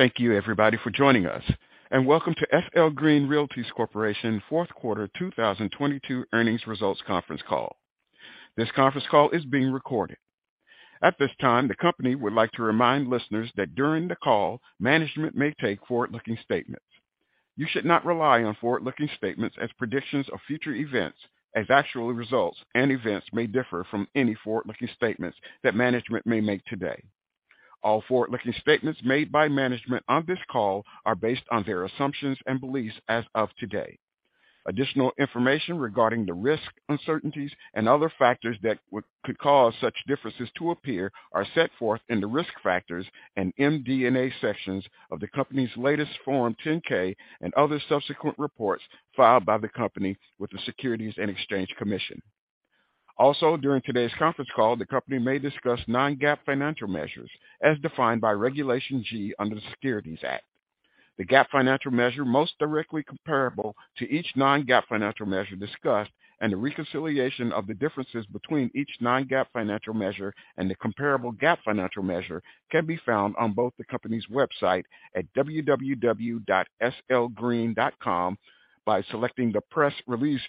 Thank you everybody for joining us, and welcome to SL Green Realty Corporation fourth quarter 2022 earnings results conference call. This conference call is being recorded. At this time, the company would like to remind listeners that during the call, management may take forward-looking statements. You should not rely on forward-looking statements as predictions of future events as actual results and events may differ from any forward-looking statements that management may make today. All forward-looking statements made by management on this call are based on their assumptions and beliefs as of today. Additional information regarding the risk, uncertainties, and other factors that could cause such differences to appear are set forth in the Risk Factors and MD&A sections of the company's latest Form 10-K and other subsequent reports filed by the company with the Securities and Exchange Commission. Also, during today's conference call, the company may discuss non-GAAP financial measures as defined by Regulation G under the Securities Act. The GAAP financial measure most directly comparable to each non-GAAP financial measure discussed and the reconciliation of the differences between each non-GAAP financial measure and the comparable GAAP financial measure can be found on both the company's website at www.slgreen.com by selecting the press release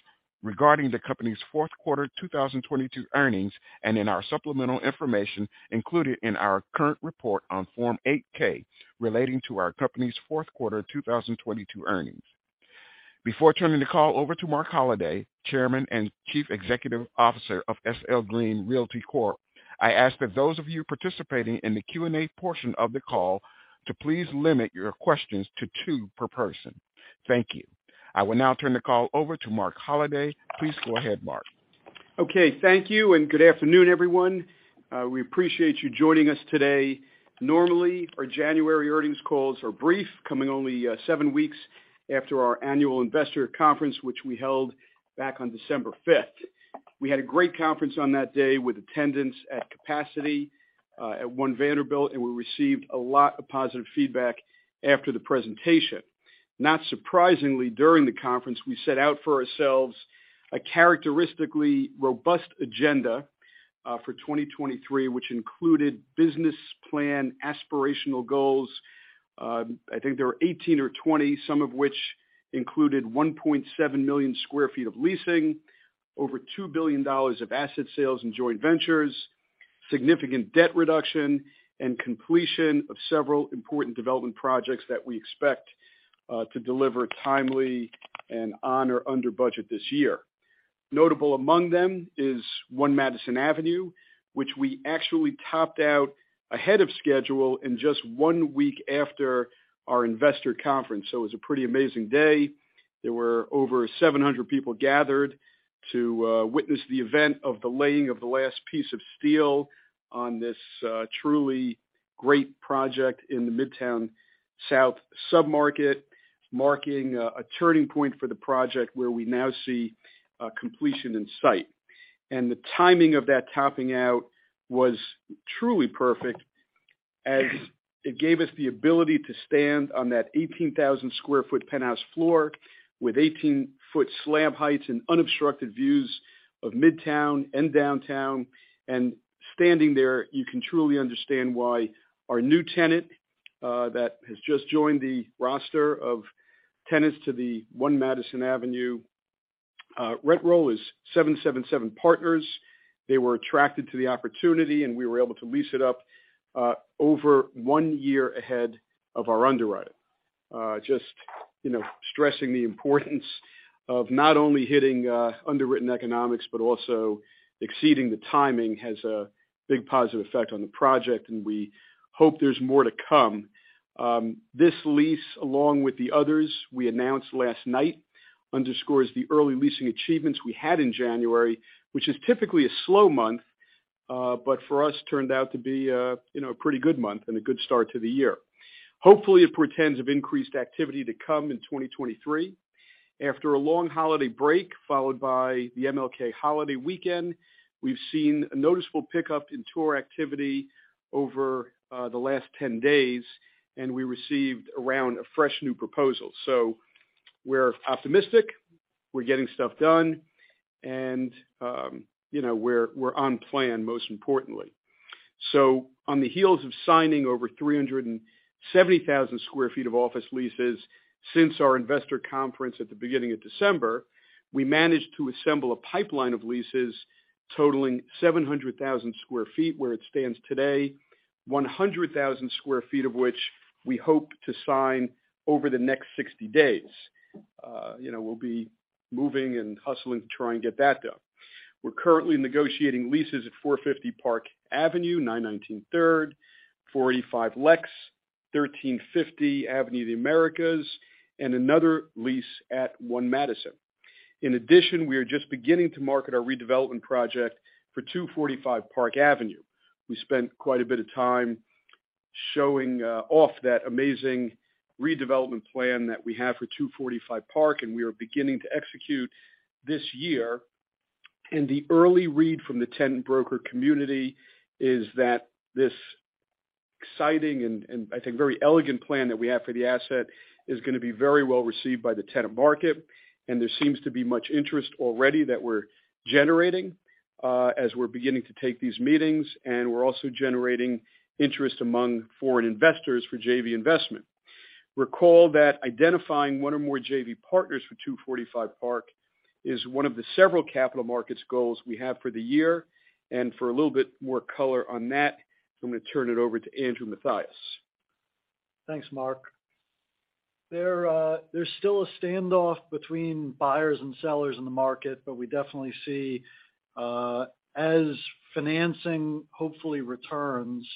regarding the company's fourth quarter 2022 earnings and in our supplemental information included in our current report on Form 8-K relating to our company's fourth quarter 2022 earnings. Before turning the call over to Marc Holliday, Chairman and Chief Executive Officer of SL Green Realty Corp, I ask that those of you participating in the Q&A portion of the call to please limit your questions to two per person. Thank you. I will now turn the call over to Marc Holliday. Please go ahead, Marc. Thank you, and good afternoon, everyone. We appreciate you joining us today. Normally, our January earnings calls are brief, coming only seven weeks after our annual Investor Conference, which we held back on December 5th. We had a great conference on that day with attendance at capacity at One Vanderbilt, and we received a lot of positive feedback after the presentation. Not surprisingly, during the conference, we set out for ourselves a characteristically robust agenda for 2023, which included business plan aspirational goals, I think there were 18 or 20, some of which included 1.7 million sq. ft of leasing, over $2 billion of asset sales and joint ventures, significant debt reduction, and completion of several important development projects that we expect to deliver timely and on or under budget this year. Notable among them is One Madison Avenue, which we actually topped out ahead of schedule and just one week after our Investor Conference. It was a pretty amazing day. There were over 700 people gathered to witness the event of the laying of the last piece of steel on this truly great project in the Midtown South submarket, marking a turning point for the project where we now see completion in sight. The timing of that topping out was truly perfect as it gave us the ability to stand on that 18,000 sq. ft penthouse floor with 18-foot slab heights and unobstructed views of Midtown and Downtown. Standing there, you can truly understand why our new tenant that has just joined the roster of tenants to the One Madison Avenue rent roll is 777 Partners. They were attracted to the opportunity. We were able to lease it up over one year ahead of our underwriter. Just, you know, stressing the importance of not only hitting underwritten economics but also exceeding the timing has a big positive effect on the project. We hope there's more to come. This lease, along with the others we announced last night, underscores the early leasing achievements we had in January, which is typically a slow month, but for us turned out to be a, you know, pretty good month and a good start to the year. Hopefully, it portends of increased activity to come in 2023. After a long holiday break followed by the MLK holiday weekend, we've seen a noticeable pickup in tour activity over the last 10 days. We received a round of fresh new proposals. We're optimistic, we're getting stuff done, and, you know, we're on plan, most importantly. On the heels of signing over 370,000 sq. ft of office leases since our Investor Conference at the beginning of December, we managed to assemble a pipeline of leases totaling 700,000 sq. ft where it stands today, 100,000 sq. ft of which we hope to sign over the next 60 days. You know, we'll be moving and hustling to try and get that done. We're currently negotiating leases at 450 Park Avenue, 919 Third, 45 Lex, 1350 Avenue of the Americas, and another lease at One Madison. In addition, we are just beginning to market our redevelopment project for 245 Park Avenue. We spent quite a bit of time showing off that amazing redevelopment plan that we have for 245 Park, and we are beginning to execute this year. The early read from the tenant broker community is that this exciting and I think very elegant plan that we have for the asset is gonna be very well received by the tenant market, and there seems to be much interest already that we're generating as we're beginning to take these meetings, and we're also generating interest among foreign investors for JV investment. Recall that identifying one or more JV partners for 245 Park is one of the several capital markets goals we have for the year. For a little bit more color on that, I'm gonna turn it over to Andrew Mathias. Thanks, Marc. There's still a standoff between buyers and sellers in the market, but we definitely see as financing hopefully returns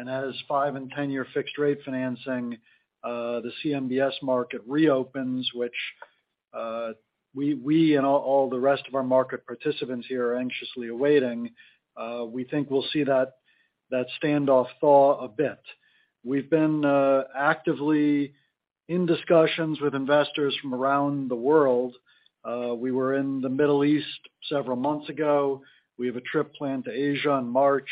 and as five and 10-year fixed rate financing, the CMBS market reopens, which we and all the rest of our market participants here are anxiously awaiting, we think we'll see that standoff thaw a bit. We've been actively in discussions with investors from around the world. We were in the Middle East several months ago. We have a trip planned to Asia in March.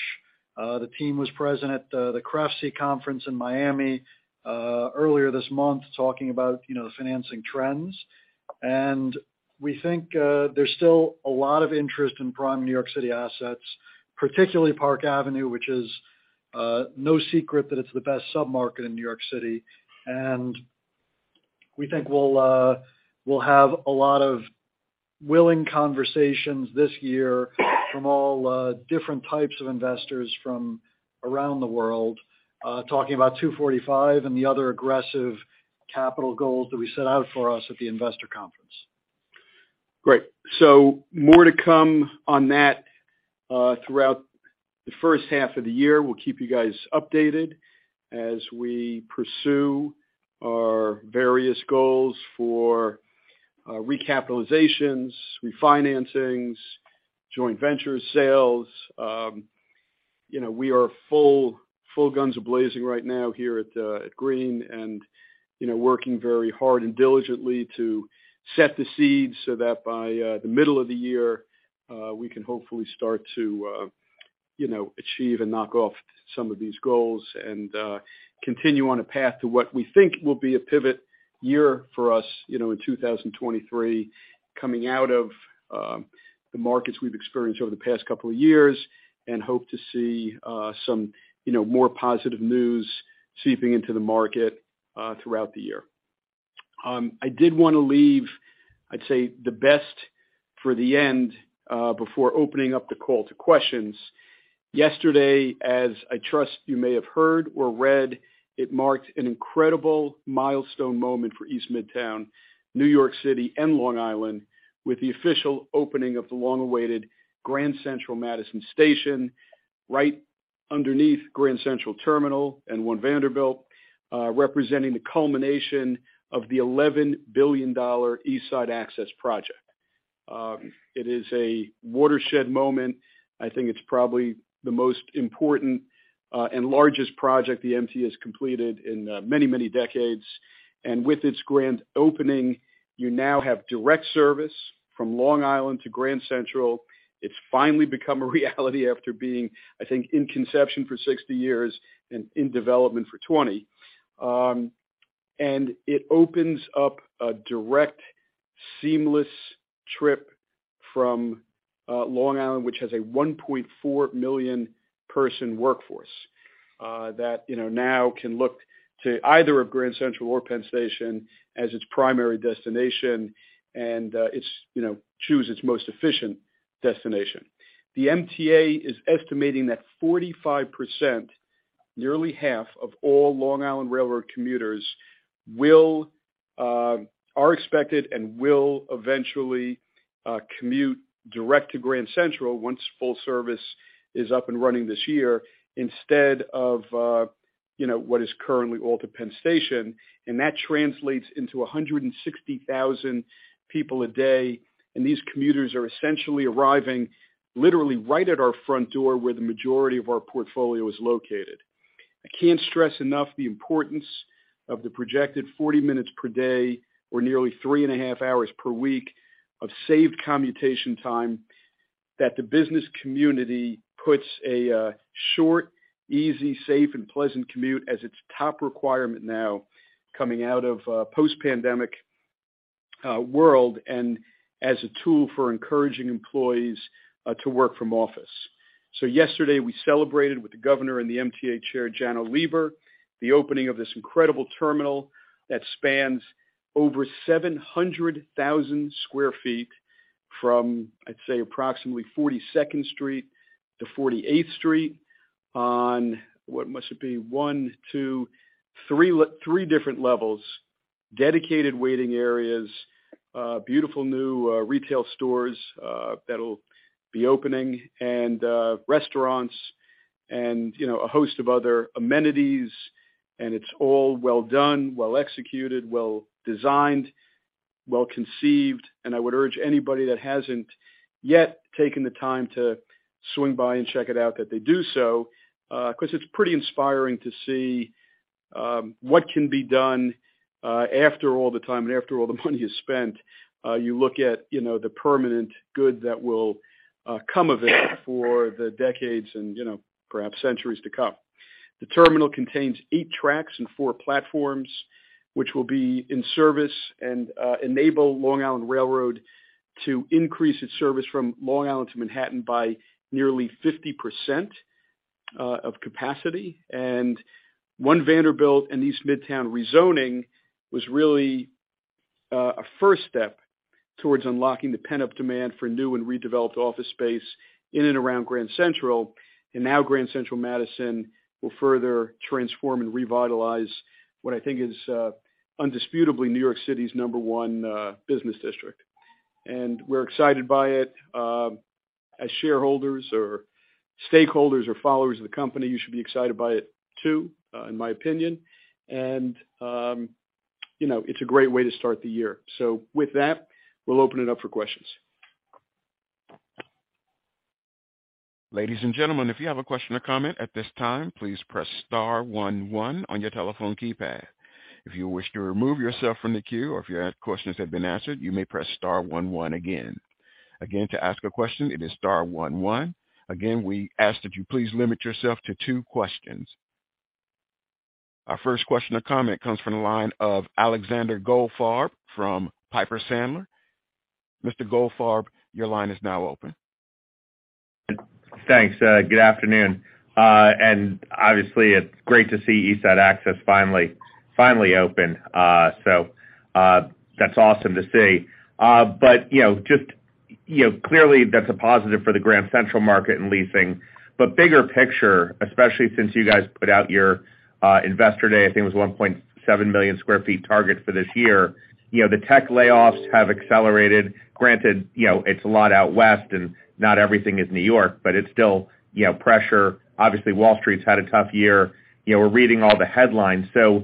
The team was present at the CREFC conference in Miami earlier this month, talking about, you know, financing trends. We think there's still a lot of interest in prime New York City assets, particularly Park Avenue, which is no secret that it's the best sub-market in New York City. We think we'll have a lot of willing conversations this year from all different types of investors from around the world, talking about 245 and the other aggressive capital goals that we set out for us at the Investor Conference. Great. More to come on that, throughout the first half of the year. We'll keep you guys updated as we pursue our various goals for recapitalizations, refinancings, joint venture sales. You know, we are full guns ablazing right now here at Green and, you know, working very hard and diligently to set the seeds so that by the middle of the year, we can hopefully start to, you know, achieve and knock off some of these goals and continue on a path to what we think will be a pivot year for us, you know, in 2023, coming out of the markets we've experienced over the past couple of years and hope to see some, you know, more positive news seeping into the market throughout the year. I did wanna leave, I'd say, the best for the end, before opening up the call to questions. Yesterday, as I trust you may have heard or read, it marked an incredible milestone moment for East Midtown, New York City and Long Island with the official opening of the long-awaited Grand Central Madison Station right underneath Grand Central Terminal and One Vanderbilt, representing the culmination of the $11 billion East Side Access project. It is a watershed moment. I think it's probably the most important and largest project the MTA has completed in many decades. With its grand opening, you now have direct service from Long Island to Grand Central. It's finally become a reality after being, I think, in conception for 60 years and in development for 20. It opens up a direct seamless trip from Long Island, which has a 1.4 million person workforce that, you know, now can look to either of Grand Central or Penn Station as its primary destination and, you know, choose its most efficient destination. The MTA is estimating that 45%, nearly half of all Long Island Rail Road commuters will are expected and will eventually commute direct to Grand Central once full service is up and running this year, instead of, you know, what is currently all to Penn Station. That translates into 160,000 people a day, and these commuters are essentially arriving literally right at our front door where the majority of our portfolio is located. I can't stress enough the importance of the projected 40 minutes per day or nearly 3.5 hours per week of saved commutation time that the business community puts a short, easy, safe, and pleasant commute as its top requirement now coming out of a post-pandemic world and as a tool for encouraging employees to work from office. Yesterday, we celebrated with the governor and the MTA Chair, Janno Lieber, the opening of this incredible terminal that spans over 700,000 sq. ft from, I'd say, approximately 42nd Street to 48th Street on, what must it be? One, two, three different levels, dedicated waiting areas, beautiful new retail stores that'll be opening and restaurants and, you know, a host of other amenities. It's all well done, well executed, well designed, well conceived. I would urge anybody that hasn't yet taken the time to swing by and check it out that they do so, 'cause it's pretty inspiring to see. What can be done, after all the time and after all the money is spent, you look at, you know, the permanent good that will come of it for the decades and, you know, perhaps centuries to come. The terminal contains eight tracks and four platforms, which will be in service and enable Long Island Rail Road to increase its service from Long Island to Manhattan by nearly 50% of capacity. One Vanderbilt and East Midtown rezoning was really a first step towards unlocking the pent-up demand for new and redeveloped office space in and around Grand Central. Now Grand Central Madison will further transform and revitalize what I think is indisputably New York City's number one business district. We're excited by it. As shareholders or stakeholders or followers of the company, you should be excited by it too, in my opinion. You know, it's a great way to start the year. With that, we'll open it up for questions. Ladies and gentlemen, if you have a question or comment at this time, please press star one one on your telephone keypad. If you wish to remove yourself from the queue or if your questions have been answered, you may press star one one again. Again, to ask a question, it is star one one. Again, we ask that you please limit yourself to two questions. Our first question or comment comes from the line of Alexander Goldfarb from Piper Sandler. Mr. Goldfarb, your line is now open. Thanks. Good afternoon. Obviously, it's great to see East Side Access finally open. That's awesome to see. You know, just, you know, clearly that's a positive for the Grand Central market and leasing. Bigger picture, especially since you guys put out your investor day, I think it was 1.7 million sq. ft target for this year. You know, the tech layoffs have accelerated. Granted, you know, it's a lot out West and not everything is New York, but it's still, you know, pressure. Obviously, Wall Street's had a tough year. You know, we're reading all the headlines. You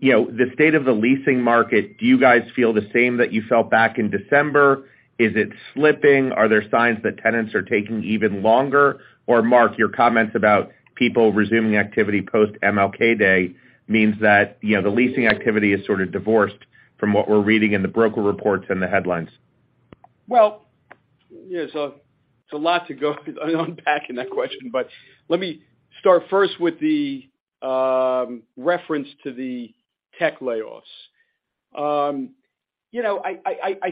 know, the state of the leasing market, do you guys feel the same that you felt back in December? Is it slipping? Are there signs that tenants are taking even longer? Marc, your comments about people resuming activity post MLK Day means that, you know, the leasing activity is sort of divorced from what we're reading in the broker reports and the headlines. Well, yeah, it's a lot to go unpacking that question, let me start first with the reference to the tech layoffs. You know, I, I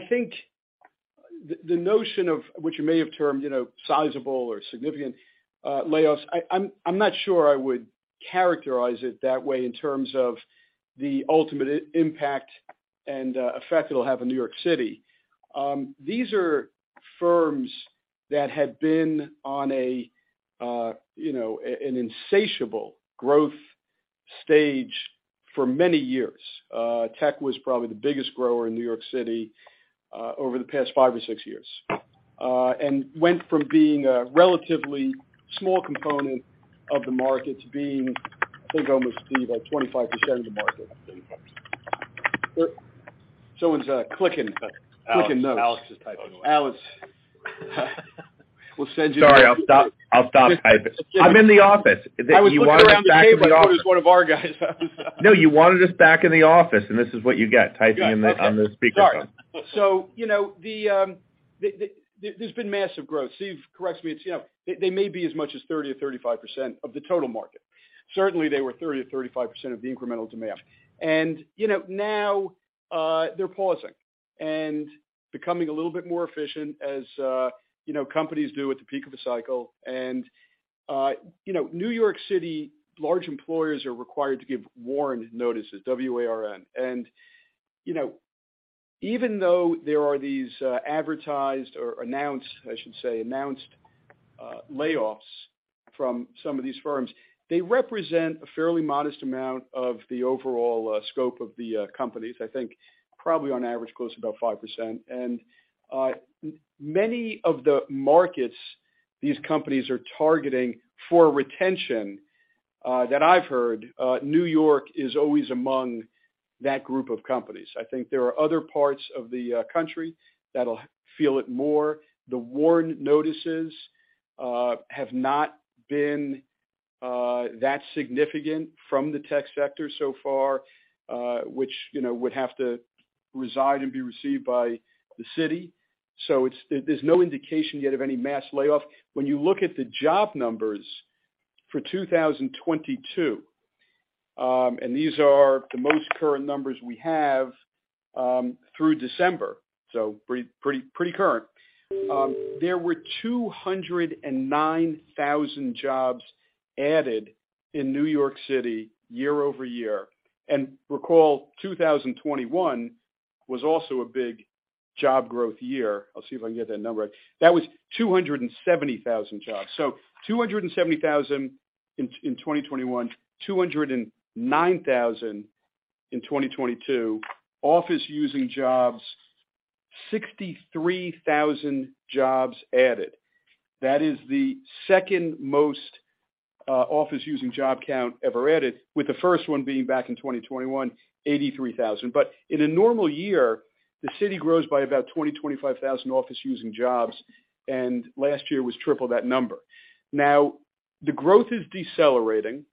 think the notion of which you may have termed, you know, sizable or significant layoffs, I'm not sure I would characterize it that way in terms of the ultimate impact and effect it'll have in New York City. These are firms that had been on a, you know, an insatiable growth stage for many years. Tech was probably the biggest grower in New York City over the past five or six years. Went from being a relatively small component of the market to being, I think, almost, Steve, like 25% of the market. Someone's clicking notes. Alex is typing away. Alex, we'll send you- Sorry, I'll stop typing. I'm in the office. You wanted us back in the office. I was looking around the table, I thought it was one of our guys. No, you wanted us back in the office, and this is what you get, typing on the speakerphone. Sorry. You know, there's been massive growth. Steve, correct me, it's, you know, they may be as much as 30%-35% of the total market. Certainly, they were 30%-35% of the incremental demand. You know, now, they're pausing and becoming a little bit more efficient as, you know, companies do at the peak of a cycle. You know, New York City, large employers are required to give warned notices, WARN. You know, even though there are these advertised or announced, I should say, announced layoffs from some of these firms, they represent a fairly modest amount of the overall scope of the companies. I think probably on average, close to about 5%. Many of the markets these companies are targeting for retention, that I've heard, New York is always among that group of companies. I think there are other parts of the country that'll feel it more. The WARN notices have not been that significant from the tech sector so far, which, you know, would have to reside and be received by the city. So there's no indication yet of any mass layoff. When you look at the job numbers for 2022, and these are the most current numbers we have through December, so pretty current. There were 209,000 jobs added in New York City year-over-year. Recall, 2021 was also a big job growth year. I'll see if I can get that number. That was 270,000 jobs. 270,000 in 2021, 209,000 in 2022. Office using jobs, 63,000 jobs added. That is the second most office using job count ever added, with the first one being back in 2021, 83,000. In a normal year The city grows by about 20,000-25,000 office using jobs, and last year was triple that number. The growth is decelerating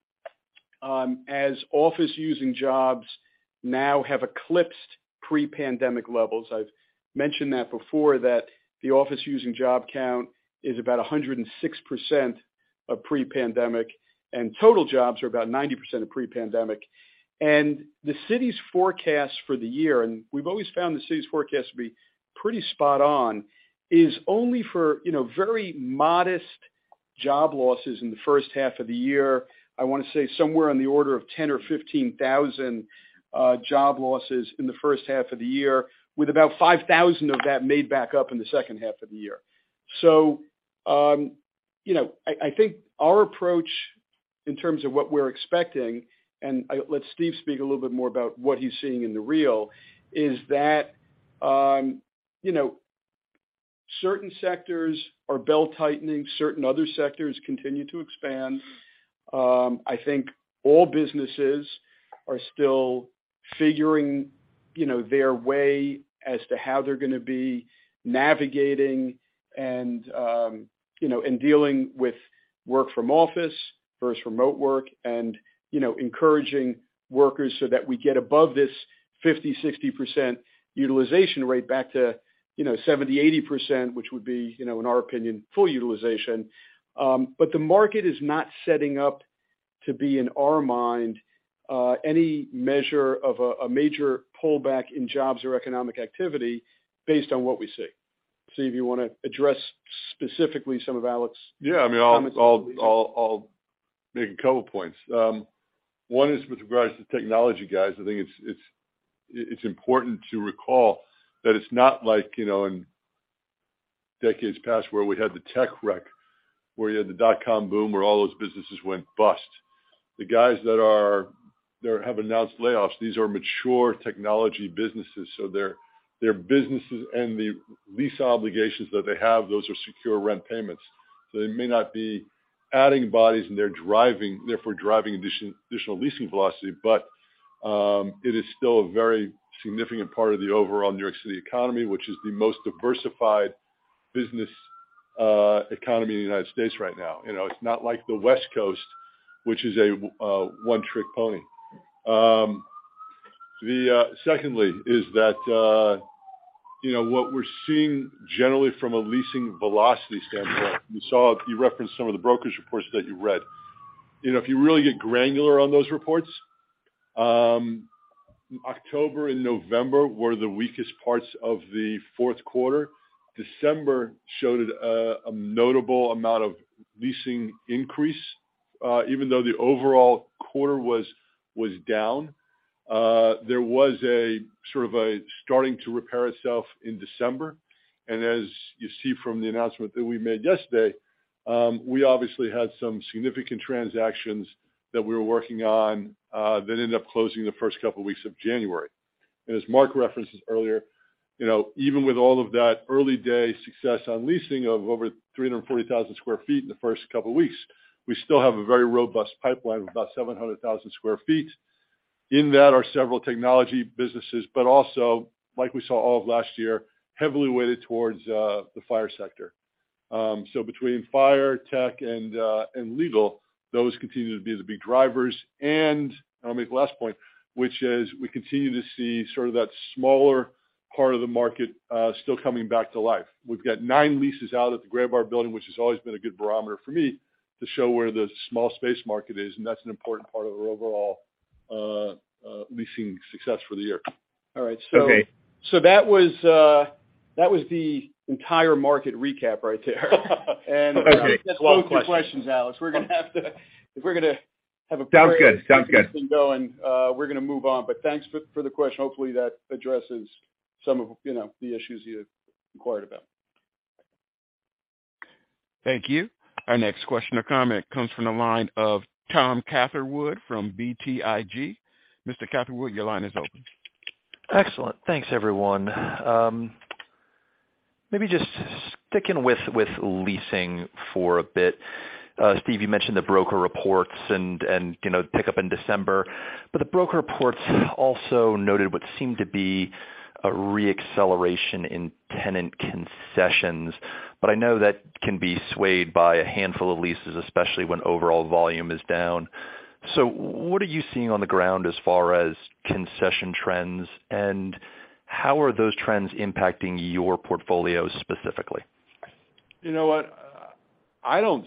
as office using jobs now have eclipsed pre-pandemic levels. I've mentioned that before that the office using job count is about 106% of pre-pandemic, and total jobs are about 90% of pre-pandemic. The city's forecast for the year, and we've always found the city's forecast to be pretty spot on, is only for, you know, very modest job losses in the first half of the year. I wanna say somewhere on the order of 10,000 or 15,000 job losses in the first half of the year, with about 5,000 of that made back up in the second half of the year. you know, I think our approach in terms of what we're expecting, and I'll let Steve speak a little bit more about what he's seeing in the real, is that, you know, certain sectors are belt-tightening, certain other sectors continue to expand. I think all businesses are still figuring, you know, their way as to how they're gonna be navigating and, you know, and dealing with work from office versus remote work and, you know, encouraging workers so that we get above this 50%, 60% utilization rate back to, you know, 70%, 80%, which would be, you know, in our opinion, full utilization. The market is not setting up to be, in our mind, any measure of a major pullback in jobs or economic activity based on what we see. Steve, you wanna address specifically some of Alex's comments? Yeah, I mean, I'll make a couple points. One is with regards to technology guys. I think it's important to recall that it's not like, you know, in decades past where we had the tech wreck, where you had the dot-com boom, where all those businesses went bust. The guys that have announced layoffs, these are mature technology businesses, so their businesses and the lease obligations that they have, those are secure rent payments. They may not be adding bodies and they're therefore, driving additional leasing velocity. It is still a very significant part of the overall New York City economy, which is the most diversified business economy in the United States right now. You know, it's not like the West Coast, which is a one-trick pony. secondly is that, you know, what we're seeing generally from a leasing velocity standpoint, we saw you referenced some of the brokers reports that you read. You know, if you really get granular on those reports, October and November were the weakest parts of the fourth quarter. December showed a notable amount of leasing increase. Even though the overall quarter was down, there was a sort of starting to repair itself in December. As you see from the announcement that we made yesterday, we obviously had some significant transactions that we were working on, that ended up closing the first couple weeks of January. As Marc referenced this earlier, you know, even with all of that early day success on leasing of over 340,000 sq. ft in the first couple of weeks, we still have a very robust pipeline of about 700,000 sq. ft. In that are several technology businesses, but also, like we saw all of last year, heavily weighted towards the FIRE sector. Between FIRE, tech, and legal, those continue to be the big drivers. I'll make the last point, which is we continue to see sort of that smaller part of the market still coming back to life. We've got nine leases out at the Graybar Building, which has always been a good barometer for me to show where the small space market is, and that's an important part of our overall leasing success for the year. All right. Okay. That was the entire market recap right there. Okay. Let's go to the questions, Alex. We're gonna have to... Sounds good. Sounds good. We're gonna move on, but thanks for the question. Hopefully, that addresses some of, you know, the issues you inquired about. Thank you. Our next question or comment comes from the line of Thomas Catherwood from BTIG. Mr. Catherwood, your line is open. Excellent. Thanks, everyone. Maybe just sticking with leasing for a bit. Steve, you mentioned the broker reports and, you know, pickup in December. The broker reports also noted what seemed to be a re-acceleration in tenant concessions. I know that can be swayed by a handful of leases, especially when overall volume is down. What are you seeing on the ground as far as concession trends, and how are those trends impacting your portfolio specifically? You know what? I don't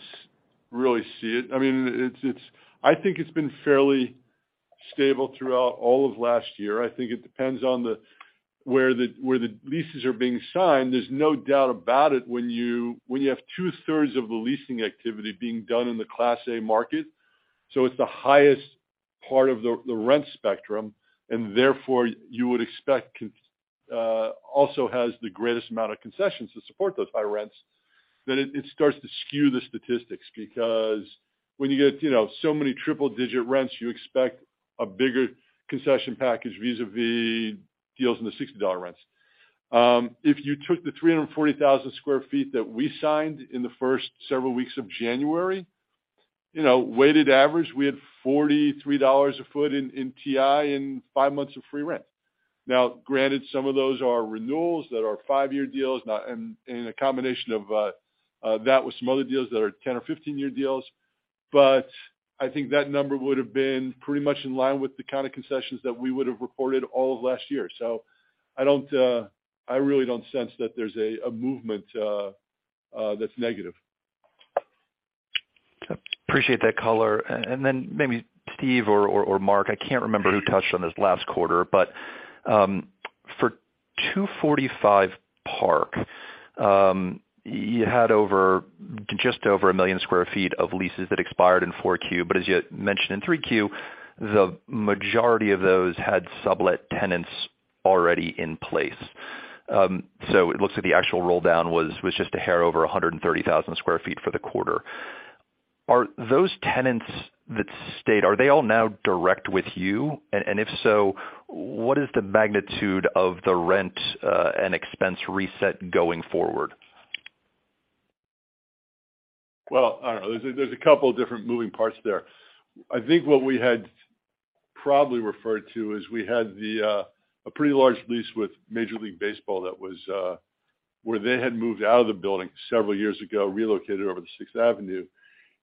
really see it. I mean, I think it's been fairly stable throughout all of last year. I think it depends on where the leases are being signed. There's no doubt about it when you have two-thirds of the leasing activity being done in the Class A market, so it's the highest part of the rent spectrum, therefore, you would expect also has the greatest amount of concessions to support those high rents, then it starts to skew the statistics. When you get, you know, so many triple digit rents, you expect a bigger concession package vis-à-vis deals in the $60 rents. If you took the 340,000 sq. ft that we signed in the first several weeks of January. You know, weighted average, we had $43 a foot in TI and five months of free rent. Granted, some of those are renewals that are five-year deals now and a combination of that with some other deals that are 10 or 15-year deals. I think that number would have been pretty much in line with the kind of concessions that we would have reported all of last year. I don't. I really don't sense that there's a movement that's negative. Appreciate that color. Then maybe Steve or Marc, I can't remember who touched on this last quarter, for 245 Park, you had just over one million sq. ft of leases that expired in 4Q. As you mentioned in 3Q, the majority of those had sublet tenants already in place. It looks like the actual roll down was just a hair over 130,000 sq. ft for the quarter. Are those tenants that stayed, are they all now direct with you? If so, what is the magnitude of the rent and expense reset going forward? Well, I don't know. There's a couple different moving parts there. I think what we had probably referred to is we had a pretty large lease with Major League Baseball that was where they had moved out of the building several years ago, relocated over to Sixth Avenue.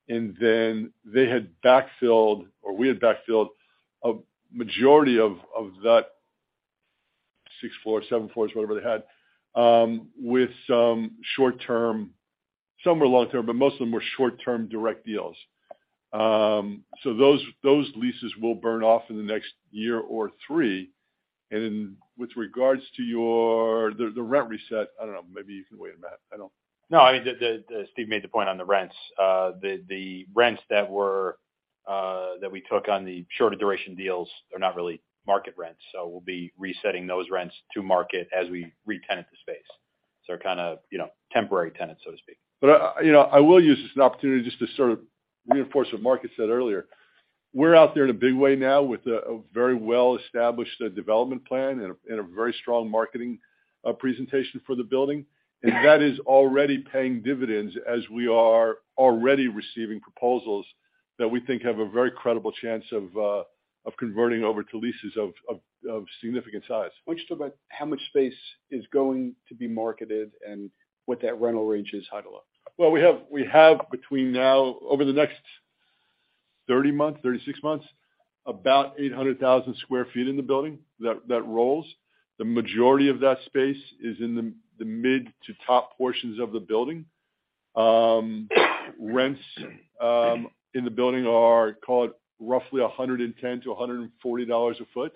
They had backfilled, or we had backfilled a majority of that six floors, seven floors, whatever they had, with some short-term. Some were long-term, but most of them were short-term direct deals. Those leases will burn off in the next year or three. With regards to the rent reset, I don't know, maybe you can weigh in, Matt. I don't. No, I mean, the Steve made the point on the rents. The rents that were that we took on the shorter duration deals are not really market rents, so we'll be resetting those rents to market as we retenant the space. Kind of, you know, temporary tenants, so to speak. I, you know, I will use this as an opportunity just to sort of reinforce what Marc had said earlier. We're out there in a big way now with a very well-established development plan and a very strong marketing presentation for the building. That is already paying dividends as we are already receiving proposals that we think have a very credible chance of converting over to leases of significant size. Why don't you talk about how much space is going to be marketed and what that rental range is, high to low? Well, we have between now, over the next 30 months, 36 months, about 800,000 sq. ft in the building that rolls. The majority of that space is in the mid to top portions of the building. Rents in the building are, call it, roughly $110-$140 a foot.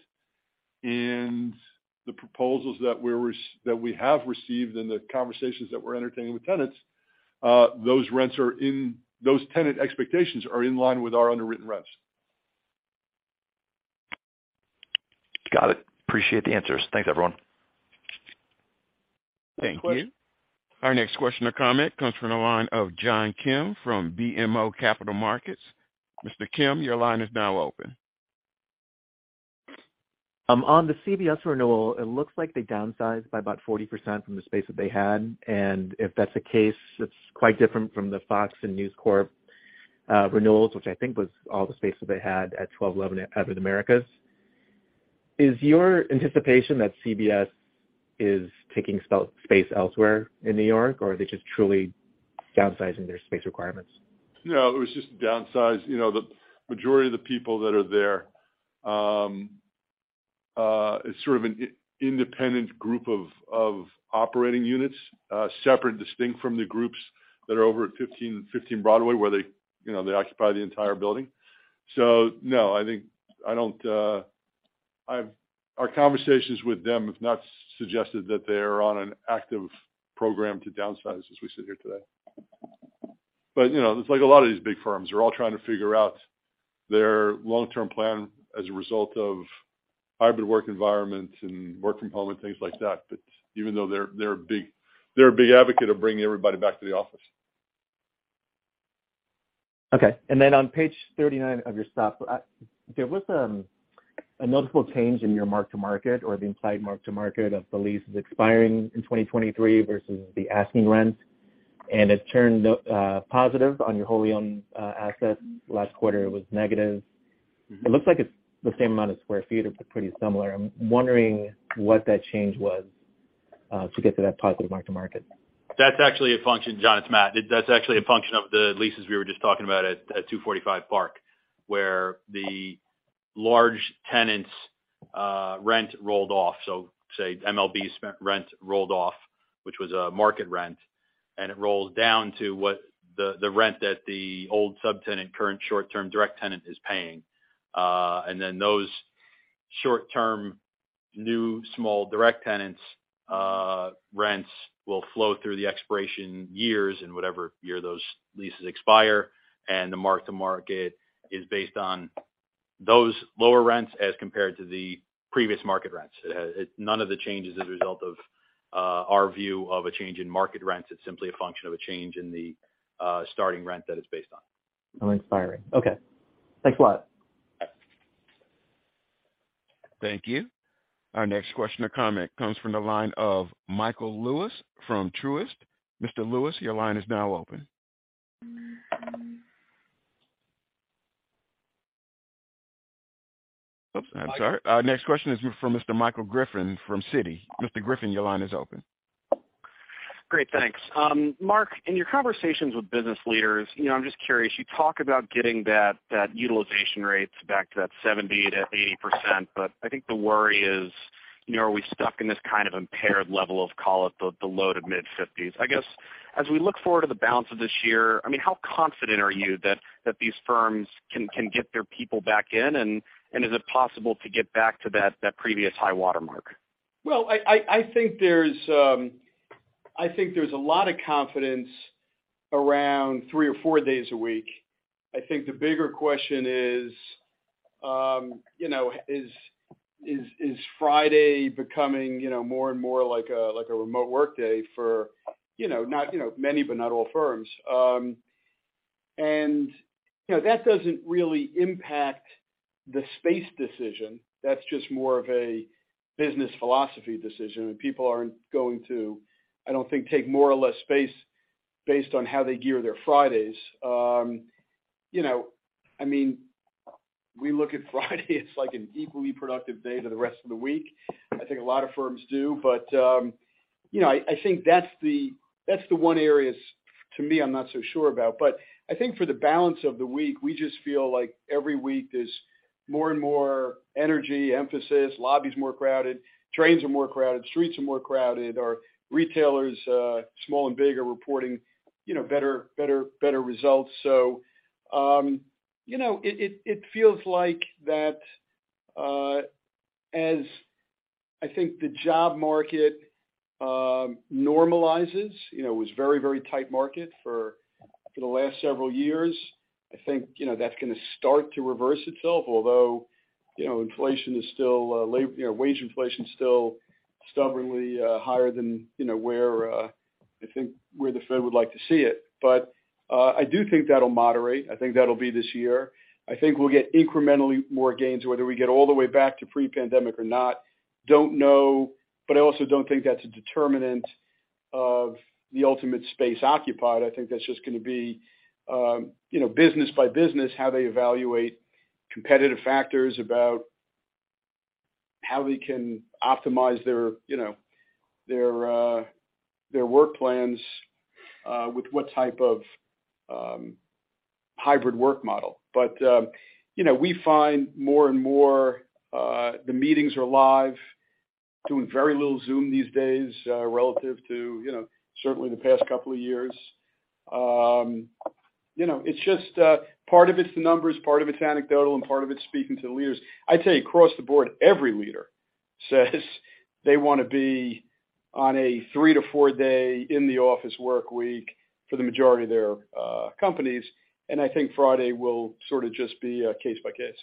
The proposals that we have received and the conversations that we're entertaining with tenants, those tenant expectations are in line with our underwritten rents. Got it. Appreciate the answers. Thanks, everyone. Thank you. Our next question or comment comes from the line of John Kim from BMO Capital Markets. Mr. Kim, your line is now open. On the CBS renewal, it looks like they downsized by about 40% from the space that they had. If that's the case, it's quite different from the Fox and News Corp renewals, which I think was all the space that they had at 1211 Avenue of the Americas. Is your anticipation that CBS is taking space elsewhere in New York, or are they just truly downsizing their space requirements? No, it was just downsize. You know, the majority of the people that are there, is sort of an independent group of operating units, separate and distinct from the groups that are over at 1515 Broadway, where they, you know, they occupy the entire building. No, I don't. Our conversations with them have not suggested that they're on an active program to downsize as we sit here today. You know, it's like a lot of these big firms are all trying to figure out their long-term plan as a result of hybrid work environments and work from home and things like that. Even though they're a big advocate of bringing everybody back to the office. Okay. On page 39 of your stuff, there was a notable change in your mark-to-market or the implied mark-to-market of the leases expiring in 2023 versus the asking rent. It turned positive on your wholly owned assets. Last quarter it was negative. Mm-hmm. It looks like it's the same amount of square feet or pretty similar. I'm wondering what that change was to get to that positive mark-to-market. That's actually a function. John, it's Matt. That's actually a function of the leases we were just talking about at Two forty-five Park, where the large tenant's rent rolled off. Say MLB's rent rolled off, which was a market rent, and it rolled down to what the rent that the old subtenant current short-term direct tenant is paying. Then those short-term, new small direct tenants' rents will flow through the expiration years in whatever year those leases expire. The mark-to-market is based on those lower rents as compared to the previous market rents. None of the changes as a result of our view of a change in market rents. It's simply a function of a change in the starting rent that it's based on. Oh, expiring. Okay, thanks a lot. Thank you. Our next question or comment comes from the line of Michael Lewis from Truist. Mr. Lewis, your line is now open. Oops, I'm sorry. Our next question is from Mr. Michael Griffin from Citi. Mr. Griffin, your line is open. Great, thanks. Marc, in your conversations with business leaders, you know, I'm just curious, you talk about getting that utilization rates back to that 70%-80%, but I think the worry is, you know, are we stuck in this kind of impaired level of call it the low to mid-50s? I guess, as we look forward to the balance of this year, I mean, how confident are you that these firms can get their people back in? Is it possible to get back to that previous high watermark? Well, I think there's a lot of confidence around three or four days a week. I think the bigger question is, you know, is Friday becoming, you know, more and more like a, like a remote work day for, you know, not, you know, many, but not all firms. You know, that doesn't really impact the space decision. That's just more of a business philosophy decision. People aren't going to, I don't think, take more or less space based on how they gear their Fridays. You know, I mean, we look at Friday as like an equally productive day to the rest of the week. I think a lot of firms do. You know, I think that's the, that's the one area to me I'm not so sure about. I think for the balance of the week, we just feel like every week there's more and more energy, emphasis, lobby's more crowded, trains are more crowded, streets are more crowded. Our retailers, small and big, are reporting, you know, better, better results. You know, it feels like that as I think the job market normalizes, you know, it was very, very tight market for the last several years. I think, you know, that's gonna start to reverse itself. Although, you know, inflation is still, you know, wage inflation is still stubbornly higher than, you know, where I think where the Fed would like to see it. I do think that'll moderate. I think that'll be this year. I think we'll get incrementally more gains, whether we get all the way back to pre-pandemic or not, don't know. I also don't think that's a determinant of the ultimate space occupied. I think that's just gonna be, you know, business by business, how they evaluate competitive factors about how they can optimize their, you know, their work plans, with what type of hybrid work model. You know, we find more and more, the meetings are live, doing very little Zoom these days, relative to, you know, certainly the past couple of years. You know, it's just, part of it's the numbers, part of it's anecdotal, and part of it's speaking to the leaders. I tell you, across the board, every leader says they wanna be on a three- to four-day in-the-office work week for the majority of their companies. I think Friday will sort of just be a case-by-case.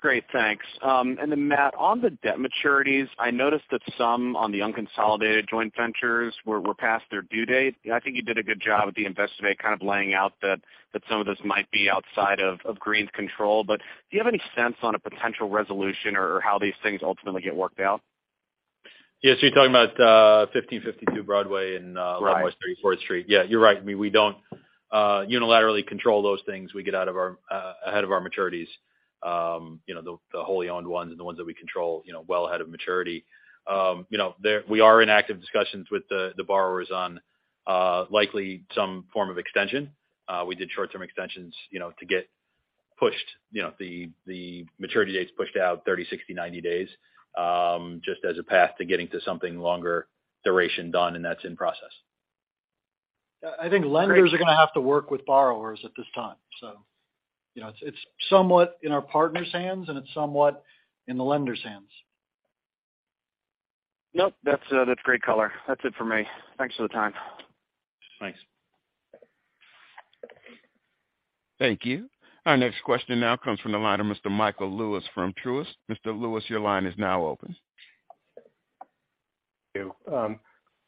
Great, thanks. Then Matt, on the debt maturities, I noticed that some on the unconsolidated joint ventures were past their due date. I think you did a good job at the investor day kind of laying out that some of this might be outside of SL Green's control. Do you have any sense on a potential resolution or how these things ultimately get worked out? Yes. You're talking about 1552 Broadway. Right... Broadway Street, Fourth Street. Yeah, you're right. I mean, we don't unilaterally control those things. We get ahead of our maturities, you know, the wholly owned ones and the ones that we control, you know, well ahead of maturity. You know, we are in active discussions with the borrowers on likely some form of extension. We did short-term extensions, you know, to get pushed, you know, the maturity dates pushed out 30, 60, 90 days, just as a path to getting to something longer duration done, and that's in process. I think lenders are gonna have to work with borrowers at this time. You know, it's somewhat in our partners' hands, and it's somewhat in the lenders' hands. Nope. That's, that's great color. That's it for me. Thanks for the time. Thanks. Thank you. Our next question now comes from the line of Mr. Michael Lewis from Truist. Mr. Lewis, your line is now open.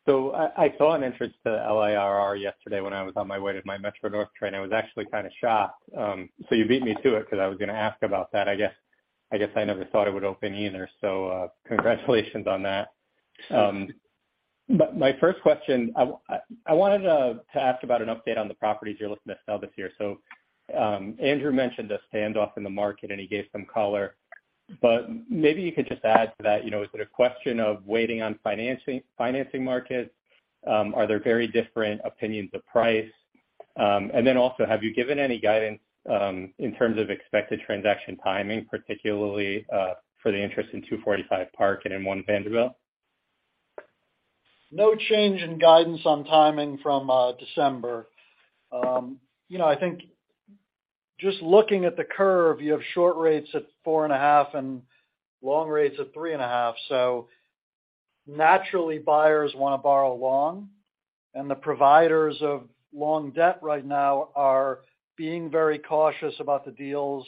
Thank you. I saw an entrance to LIRR yesterday when I was on my way to my Metro-North train. I was actually kind of shocked. You beat me to it because I was gonna ask about that. I guess I never thought it would open either. Congratulations on that. My first question, I wanted to ask about an update on the properties you're looking to sell this year. Andrew mentioned a standoff in the market, and he gave some color, but maybe you could just add to that. You know, is it a question of waiting on financing markets? Are there very different opinions of price? Then also, have you given any guidance in terms of expected transaction timing, particularly for the interest in 245 Park and in One Vanderbilt? No change in guidance on timing from December. You know, I think just looking at the curve, you have short rates at 4.5% and long rates at 3.5%. Naturally, buyers wanna borrow long, the providers of long debt right now are being very cautious about the deals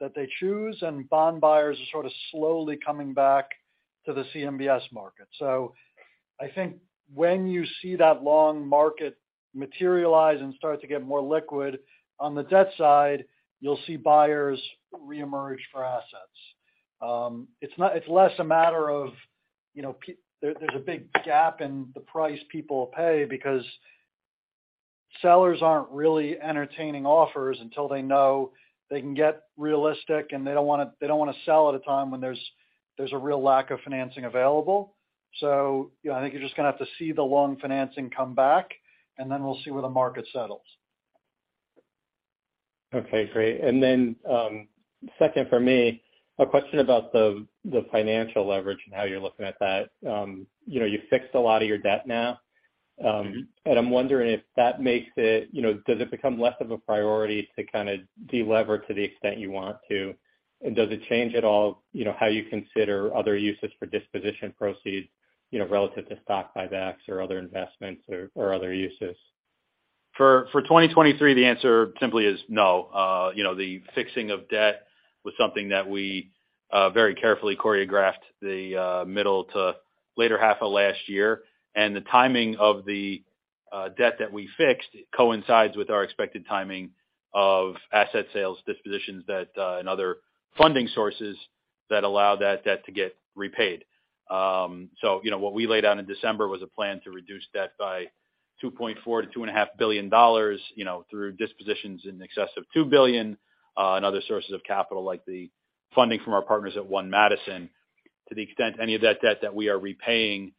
that they choose, and bond buyers are sort of slowly coming back. To the CMBS market. I think when you see that long market materialize and start to get more liquid on the debt side, you'll see buyers reemerge for assets. It's less a matter of, you know, There's a big gap in the price people pay because sellers aren't really entertaining offers until they know they can get realistic, and they don't wanna sell at a time when there's a real lack of financing available. You know, I think you're just gonna have to see the long financing come back, and then we'll see where the market settles. Okay, great. Second for me, a question about the financial leverage and how you're looking at that. You know, you fixed a lot of your debt now. Mm-hmm. I'm wondering if that makes it, you know, does it become less of a priority to kinda de-lever to the extent you want to? Does it change at all, you know, how you consider other uses for disposition proceeds, you know, relative to stock buybacks or other investments or other uses? For 2023, the answer simply is no. You know, the fixing of debt was something that we very carefully choreographed the middle to later half of last year. The timing of the debt that we fixed coincides with our expected timing of asset sales dispositions that and other funding sources that allow that debt to get repaid. You know, what we laid out in December was a plan to reduce debt by $2.4 billion to two and a half billion dollars, you know, through dispositions in excess of $2 billion and other sources of capital, like the funding from our partners at One Madison. To the extent any of that debt that we are repaying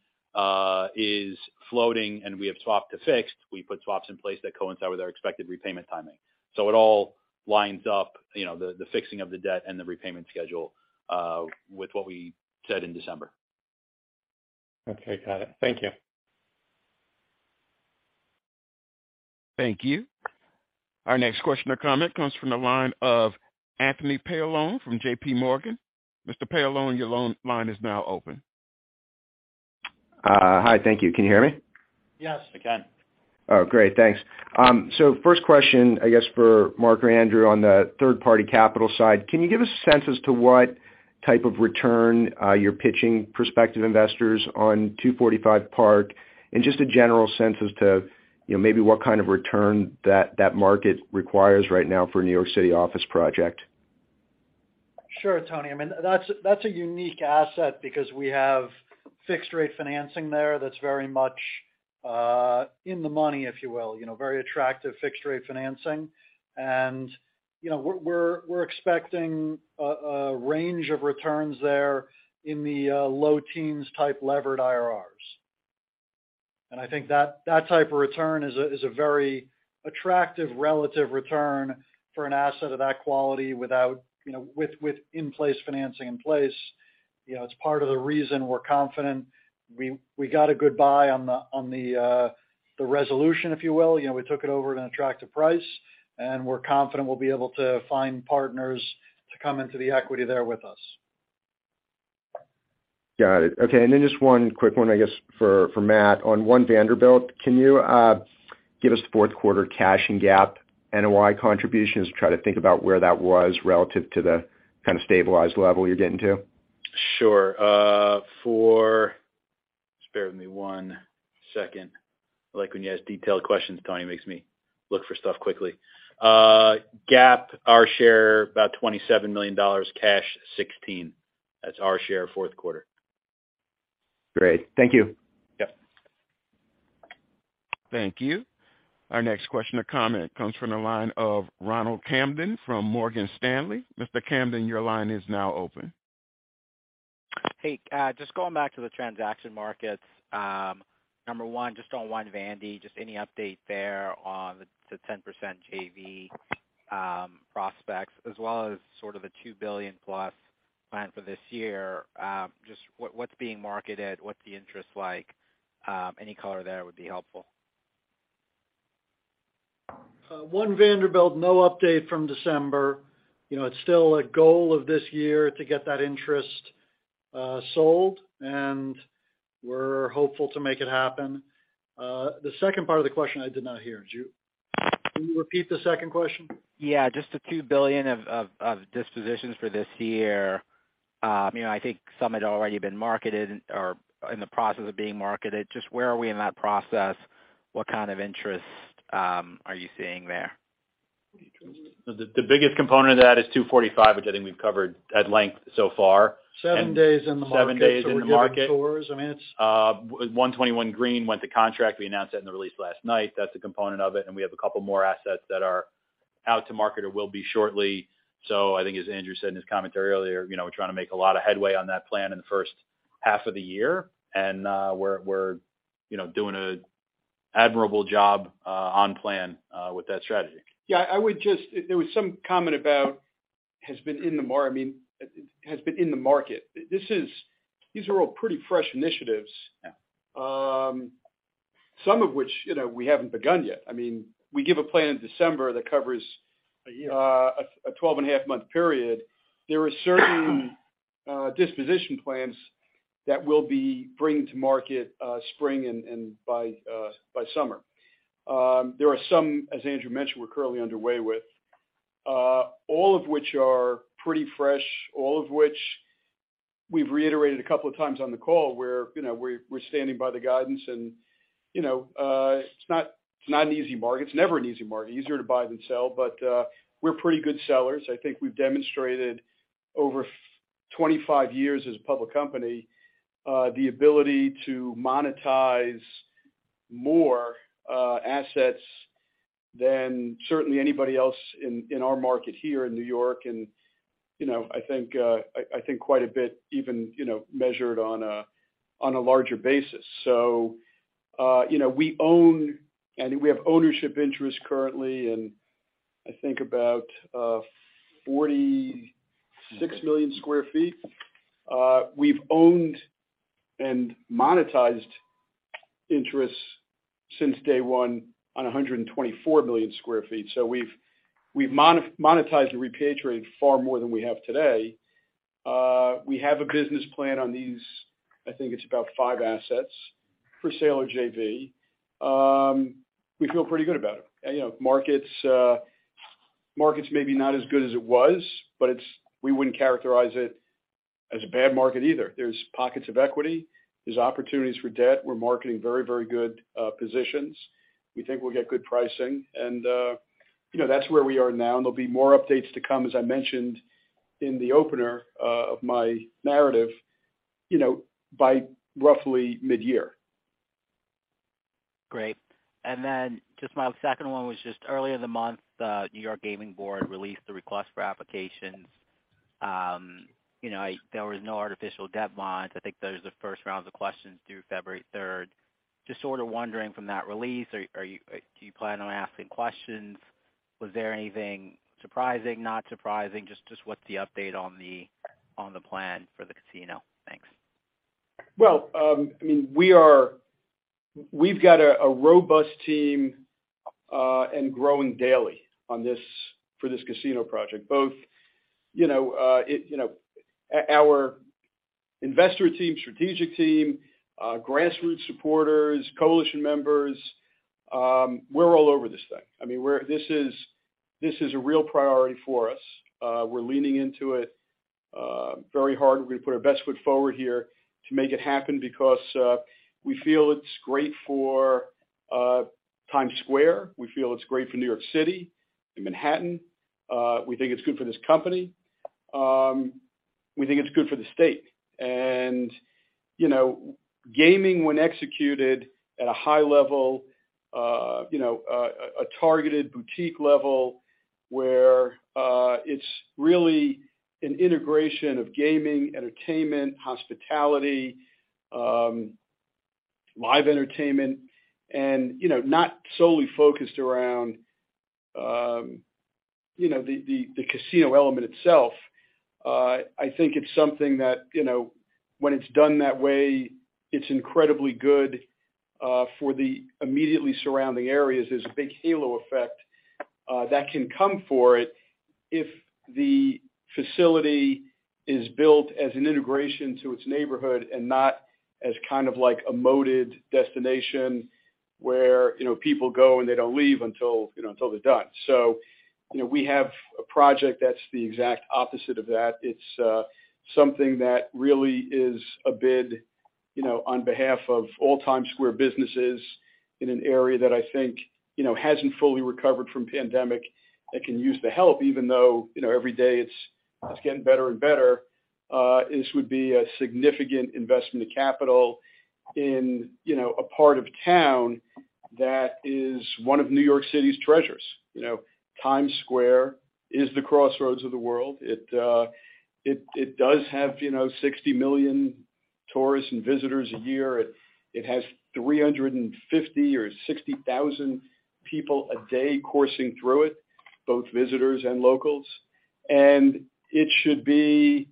is floating and we have swapped to fixed, we put swaps in place that coincide with our expected repayment timing. it all lines up, you know, the fixing of the debt and the repayment schedule, with what we said in December. Okay, got it. Thank you. Thank you. Our next question or comment comes from the line of Anthony Paolone from JPMorgan. Mr. Paolone, your line is now open. Hi. Thank you. Can you hear me? Yes. I can. Great. Thanks. First question, I guess, for Marc Holliday or Andrew Mathias on the third-party capital side, can you give us a sense as to what type of return you're pitching prospective investors on 245 Park and just a general sense as to, you know, maybe what kind of return that market requires right now for a New York City office project? Sure, Tony. I mean, that's a unique asset because we have fixed rate financing there that's very much in the money, if you will. You know, very attractive fixed rate financing. You know, we're expecting a range of returns there in the low teens type levered IRRs. I think that type of return is a very attractive relative return for an asset of that quality without, you know, with in-place financing in place. You know, it's part of the reason we're confident we got a good buy on the resolution, if you will. You know, we took it over at an attractive price, and we're confident we'll be able to find partners to come into the equity there with us. Got it. Okay. Just one quick one, I guess, for Matt. On One Vanderbilt, can you give us fourth quarter cash and GAAP NOI contributions to try to think about where that was relative to the kind of stabilized level you're getting to? Sure. Just bear with me one second. I like when you ask detailed questions, Tony, it makes me look for stuff quickly. GAAP, our share, about $27 million, cash, $16 million. That's our share, fourth quarter. Great. Thank you. Yep. Thank you. Our next question or comment comes from the line of Ronald Kamdem from Morgan Stanley. Mr. Kamdem, your line is now open. Hey, just going back to the transaction markets. Number one, just on One Vandy, just any update there on the 10% JV, prospects as well as sort of the $2 billion-plus plan for this year. Just what's being marketed, what's the interest like? Any color there would be helpful. One Vanderbilt, no update from December. You know, it's still a goal of this year to get that interest sold, and we're hopeful to make it happen. The second part of the question I did not hear. Can you repeat the second question? Yeah, just the $2 billion of dispositions for this year. you know, I think some had already been marketed or in the process of being marketed. Just where are we in that process? What kind of interest are you seeing there? The biggest component of that is 245, which I think we've covered at length so far. Seven days in the market. Seven days in the market. We're giving tours. I mean, 121 Greene Street went to contract. We announced that in the release last night. That's a component of it. We have a couple more assets that are out to market or will be shortly. I think as Andrew said in his commentary earlier, you know, we're trying to make a lot of headway on that plan in the first half of the year. We're, you know, doing an admirable job on plan with that strategy. There was some comment about I mean, has been in the market. These are all pretty fresh initiatives. Yeah. Some of which, you know, we haven't begun yet. I mean, we give a plan in December. A year... a 12 and a half month period. There are certain disposition plans that we'll be bringing to market spring and by summer. There are some, as Andrew mentioned, we're currently underway with All of which are pretty fresh, all of which we've reiterated a couple of times on the call where, you know, we're standing by the guidance and, you know, it's not, it's not an easy market. It's never an easy market, easier to buy than sell, but, we're pretty good sellers. I think we've demonstrated over 25 years as a public company, the ability to monetize more assets than certainly anybody else in our market here in New York. You know, I think, I think quite a bit even, you know, measured on a, on a larger basis. You know, we own and we have ownership interest currently in I think about 46 million sq. ft. We've owned and monetized interests since day one on 124 million sq. ft. We've monetized and repatriated far more than we have today. We have a business plan on these, I think it's about five assets for sale or JV. We feel pretty good about it. You know, markets may be not as good as it was, but we wouldn't characterize it as a bad market either. There's pockets of equity. There's opportunities for debt. We're marketing very good positions. We think we'll get good pricing. You know, that's where we are now. There'll be more updates to come, as I mentioned in the opener of my narrative, you know, by roughly mid-year. Great. Just my second one was just earlier in the month, the New York Gaming Board released the request for applications. you know, there was no artificial deadlines. I think those are the first rounds of questions due February third. Just sort of wondering from that release, do you plan on asking questions? Was there anything surprising, not surprising? Just what's the update on the plan for the casino? Thanks. Well, I mean, we've got a robust team and growing daily for this casino project, both, you know, it, you know, our investor team, strategic team, grassroots supporters, coalition members, we're all over this thing. I mean, this is a real priority for us. We're leaning into it very hard. We're gonna put our best foot forward here to make it happen because we feel it's great for Times Square. We feel it's great for New York City and Manhattan. We think it's good for this company. We think it's good for the state. You know, gaming, when executed at a high level, you know, a targeted boutique level where it's really an integration of gaming, entertainment, hospitality, live entertainment, and, you know, not solely focused around, you know, the casino element itself. I think it's something that, you know, when it's done that way, it's incredibly good for the immediately surrounding areas. There's a big halo effect that can come for it if the facility is built as an integration to its neighborhood and not as kind of like a moated destination where, you know, people go, and they don't leave until, you know, until they're done. You know, we have a project that's the exact opposite of that. It's something that really is a bid, you know, on behalf of all Times Square businesses in an area that I think, you know, hasn't fully recovered from pandemic, that can use the help, even though, you know, every day it's getting better and better. This would be a significant investment of capital in, you know, a part of town that is one of New York City's treasures. You know, Times Square is the crossroads of the world. It, it does have, you know, 60 million tourists and visitors a year. It has 350 or 60 thousand people a day coursing through it, both visitors and locals. It should be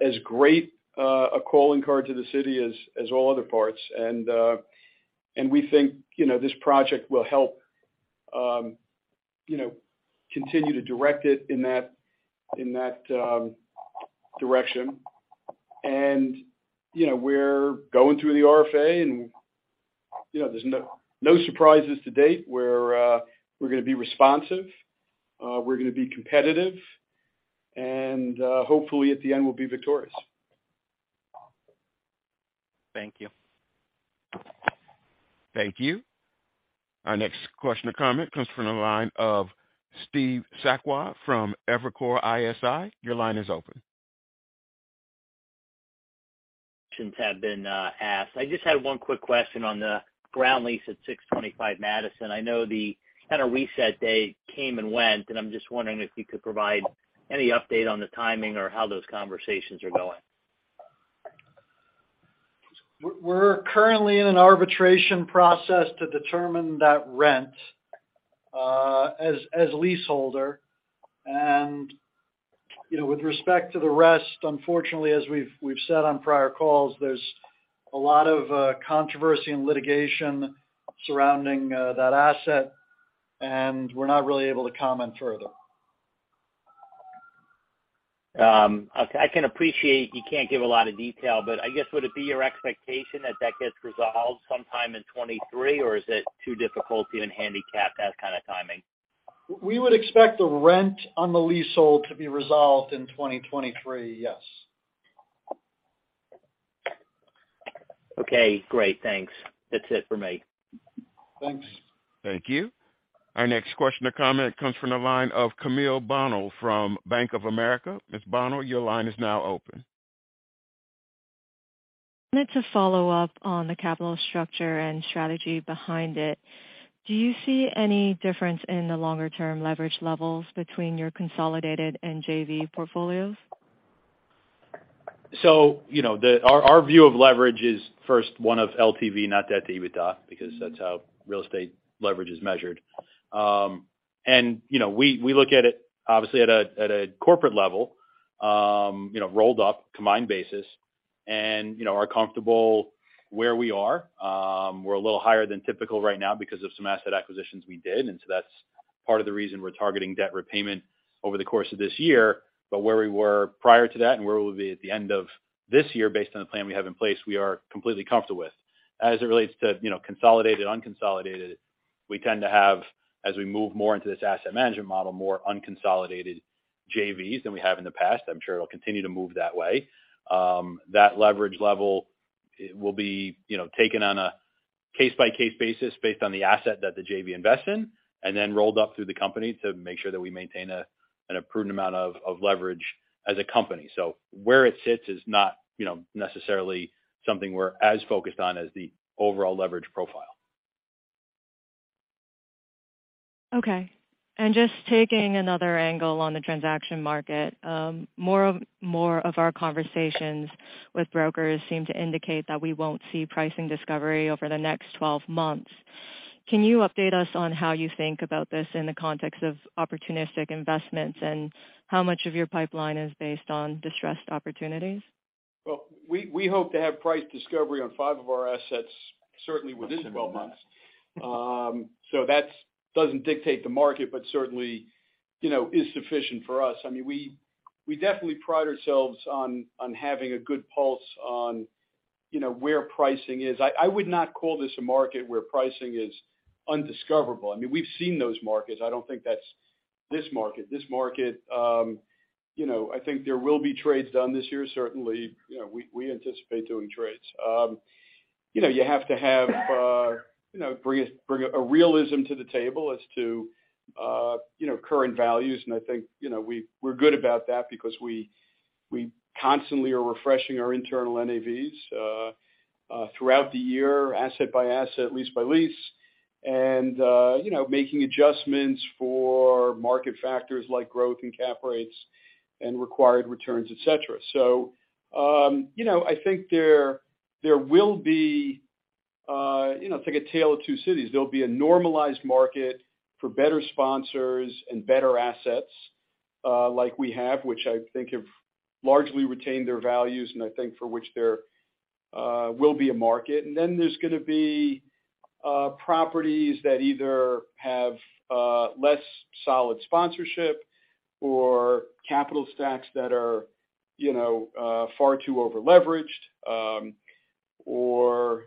as great a calling card to the city as all other parts. We think, you know, this project will help, you know, continue to direct it in that, in that, direction. You know, we're going through the RFA, and, you know, there's no surprises to date. We're gonna be responsive. We're gonna be competitive. Hopefully, at the end, we'll be victorious. Thank you. Thank you. Our next question or comment comes from the line of Steve Sakwa from Evercore ISI. Your line is open. Questions have been asked. I just had one quick question on the ground lease at 625 Madison. I know the kind of reset date came and went, and I'm just wondering if you could provide any update on the timing or how those conversations are going. We're currently in an arbitration process to determine that rent, as leaseholder. You know, with respect to the rest, unfortunately, as we've said on prior calls, there's a lot of controversy and litigation surrounding that asset, and we're not really able to comment further. I can appreciate you can't give a lot of detail, I guess, would it be your expectation that that gets resolved sometime in 2023, or is it too difficult to even handicap that kind of timing? We would expect the rent on the leasehold to be resolved in 2023, yes. Okay, great. Thanks. That's it for me. Thanks. Thank you. Our next question or comment comes from the line of Camille Bonnel from Bank of America. Ms. Bonnel, your line is now open. It's a follow-up on the capital structure and strategy behind it. Do you see any difference in the longer-term leverage levels between your consolidated and JV portfolios? Our view of leverage is first one of LTV, not debt to EBITDA, because that's how real estate leverage is measured. We look at it obviously at a corporate level, you know, rolled up combined basis, you know, are comfortable where we are. We're a little higher than typical right now because of some asset acquisitions we did, that's part of the reason we're targeting debt repayment over the course of this year. Where we were prior to that and where we'll be at the end of this year based on the plan we have in place, we are completely comfortable with. As it relates to, you know, consolidated, unconsolidated, we tend to have, as we move more into this asset management model, more unconsolidated JVs than we have in the past. I'm sure it'll continue to move that way. That leverage level will be, you know, taken on a case-by-case basis based on the asset that the JV invests in and then rolled up through the company to make sure that we maintain an approved amount of leverage as a company. Where it sits is not, you know, necessarily something we're as focused on as the overall leverage profile. Okay. Just taking another angle on the transaction market. More of our conversations with brokers seem to indicate that we won't see pricing discovery over the next 12 months. Can you update us on how you think about this in the context of opportunistic investments, and how much of your pipeline is based on distressed opportunities? Well, we hope to have price discovery on five of our assets certainly within 12 months. That doesn't dictate the market, but certainly, you know, is sufficient for us. I mean, we definitely pride ourselves on having a good pulse on, you know, where pricing is. I would not call this a market where pricing is undiscoverable. I mean, we've seen those markets. I don't think that's this market. This market, you know, I think there will be trades done this year. Certainly, you know, we anticipate doing trades. You know, you have to have, you know, bring a realism to the table as to, you know, current values. I think, you know, we're good about that because we constantly are refreshing our internal NAVs throughout the year, asset by asset, lease by lease, you know, making adjustments for market factors like growth and cap rates and required returns, et cetera. You know, I think there will be, you know, it's like a tale of two cities. There'll be a normalized market for better sponsors and better assets like we have, which I think have largely retained their values, and I think for which there will be a market. There's gonna be properties that either have less solid sponsorship or capital stacks that are, you know, far too over-leveraged, or,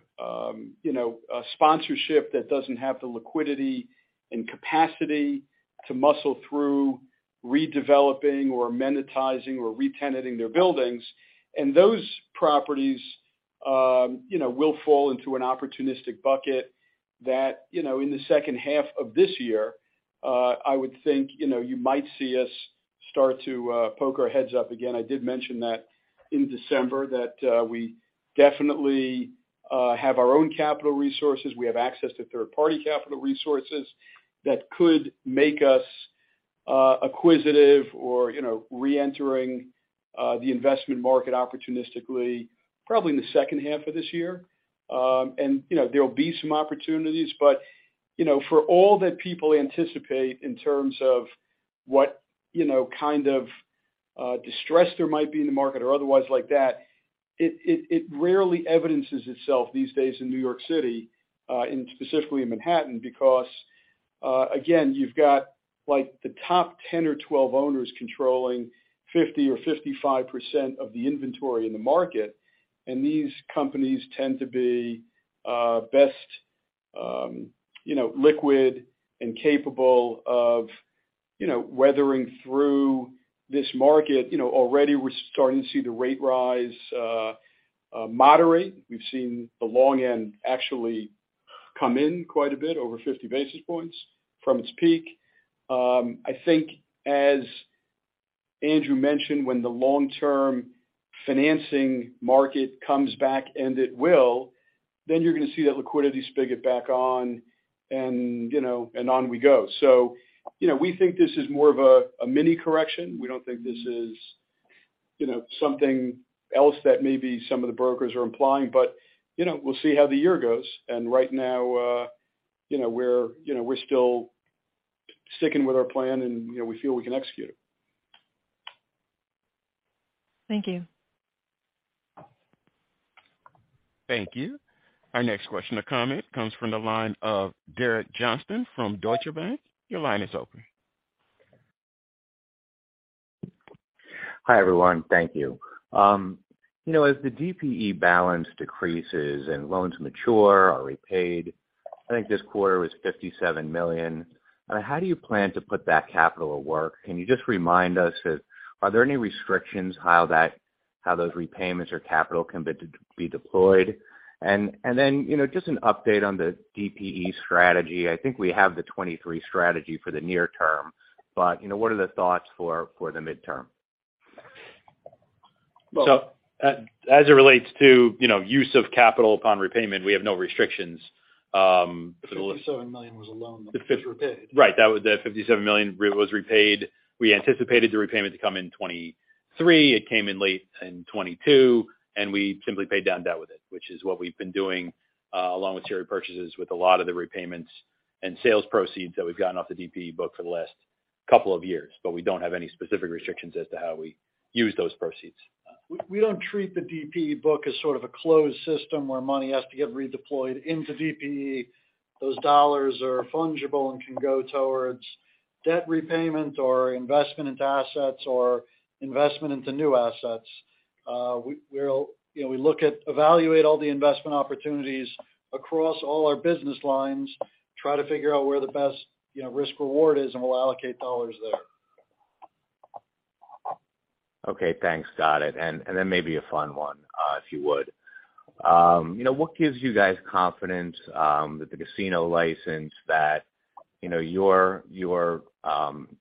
you know, a sponsorship that doesn't have the liquidity and capacity to muscle through redeveloping or monetizing or re-tenanting their buildings. Those properties, you know, will fall into an opportunistic bucket that, you know, in the second half of this year, I would think, you know, you might see us start to poke our heads up again. I did mention that in December that we definitely have our own capital resources. We have access to third-party capital resources that could make us acquisitive or, you know, reentering the investment market opportunistically, probably in the second half of this year. You know, there'll be some opportunities, but, you know, for all that people anticipate in terms of what, you know, kind of, distress there might be in the market or otherwise like that, it rarely evidences itself these days in New York City, and specifically in Manhattan because, again, you've got like the top 10 or 12 owners controlling 50% or 55% of the inventory in the market. These companies tend to be, best, you know, liquid and capable of, you know, weathering through this market. Already we're starting to see the rate rise, moderate. We've seen the long end actually come in quite a bit, over 50 basis points from its peak. I think as Andrew mentioned, when the long-term financing market comes back and it will, then you're gonna see that liquidity spigot back on and, you know, and on we go. You know, we think this is more of a mini correction. We don't think this is, you know, something else that maybe some of the brokers are implying. You know, we'll see how the year goes. Right now, you know, we're still sticking with our plan and, you know, we feel we can execute it. Thank you. Thank you. Our next question or comment comes from the line of Derek Johnston from Deutsche Bank. Your line is open. Hi, everyone. Thank you. You know, as the DPE balance decreases and loans mature or repaid, I think this quarter was $57 million. How do you plan to put that capital at work? Can you just remind us if are there any restrictions how those repayments or capital can be deployed? You know, just an update on the DPE strategy. I think we have the 23 strategy for the near term, but, you know, what are the thoughts for the midterm? As it relates to, you know, use of capital upon repayment, we have no restrictions. $57 million was a loan that was repaid. Right. The $57 million was repaid. We anticipated the repayment to come in 2023. It came in late in 2022. We simply paid down debt with it, which is what we've been doing along with share repurchases with a lot of the repayments and sales proceeds that we've gotten off the DPE book for the last couple of years. We don't have any specific restrictions as to how we use those proceeds. We don't treat the DPE book as sort of a closed system where money has to get redeployed into DPE. Those dollars are fungible and can go towards debt repayment or investment into assets or investment into new assets. we'll, you know, we evaluate all the investment opportunities across all our business lines, try to figure out where the best, you know, risk reward is, and we'll allocate dollars there. Okay, thanks. Got it. Then maybe a fun one, if you would. You know, what gives you guys confidence that the casino license that, you know, your, you know,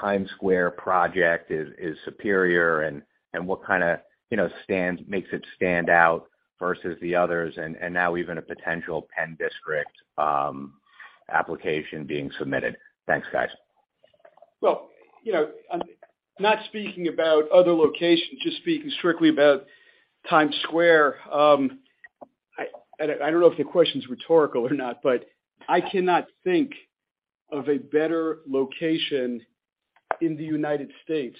Times Square project is superior and what kind of, you know, makes it stand out versus the others? Now even a potential Penn District application being submitted. Thanks, guys. Well, you know, I'm not speaking about other locations, just speaking strictly about Times Square. I don't know if the question's rhetorical or not, but I cannot think of a better location in the United States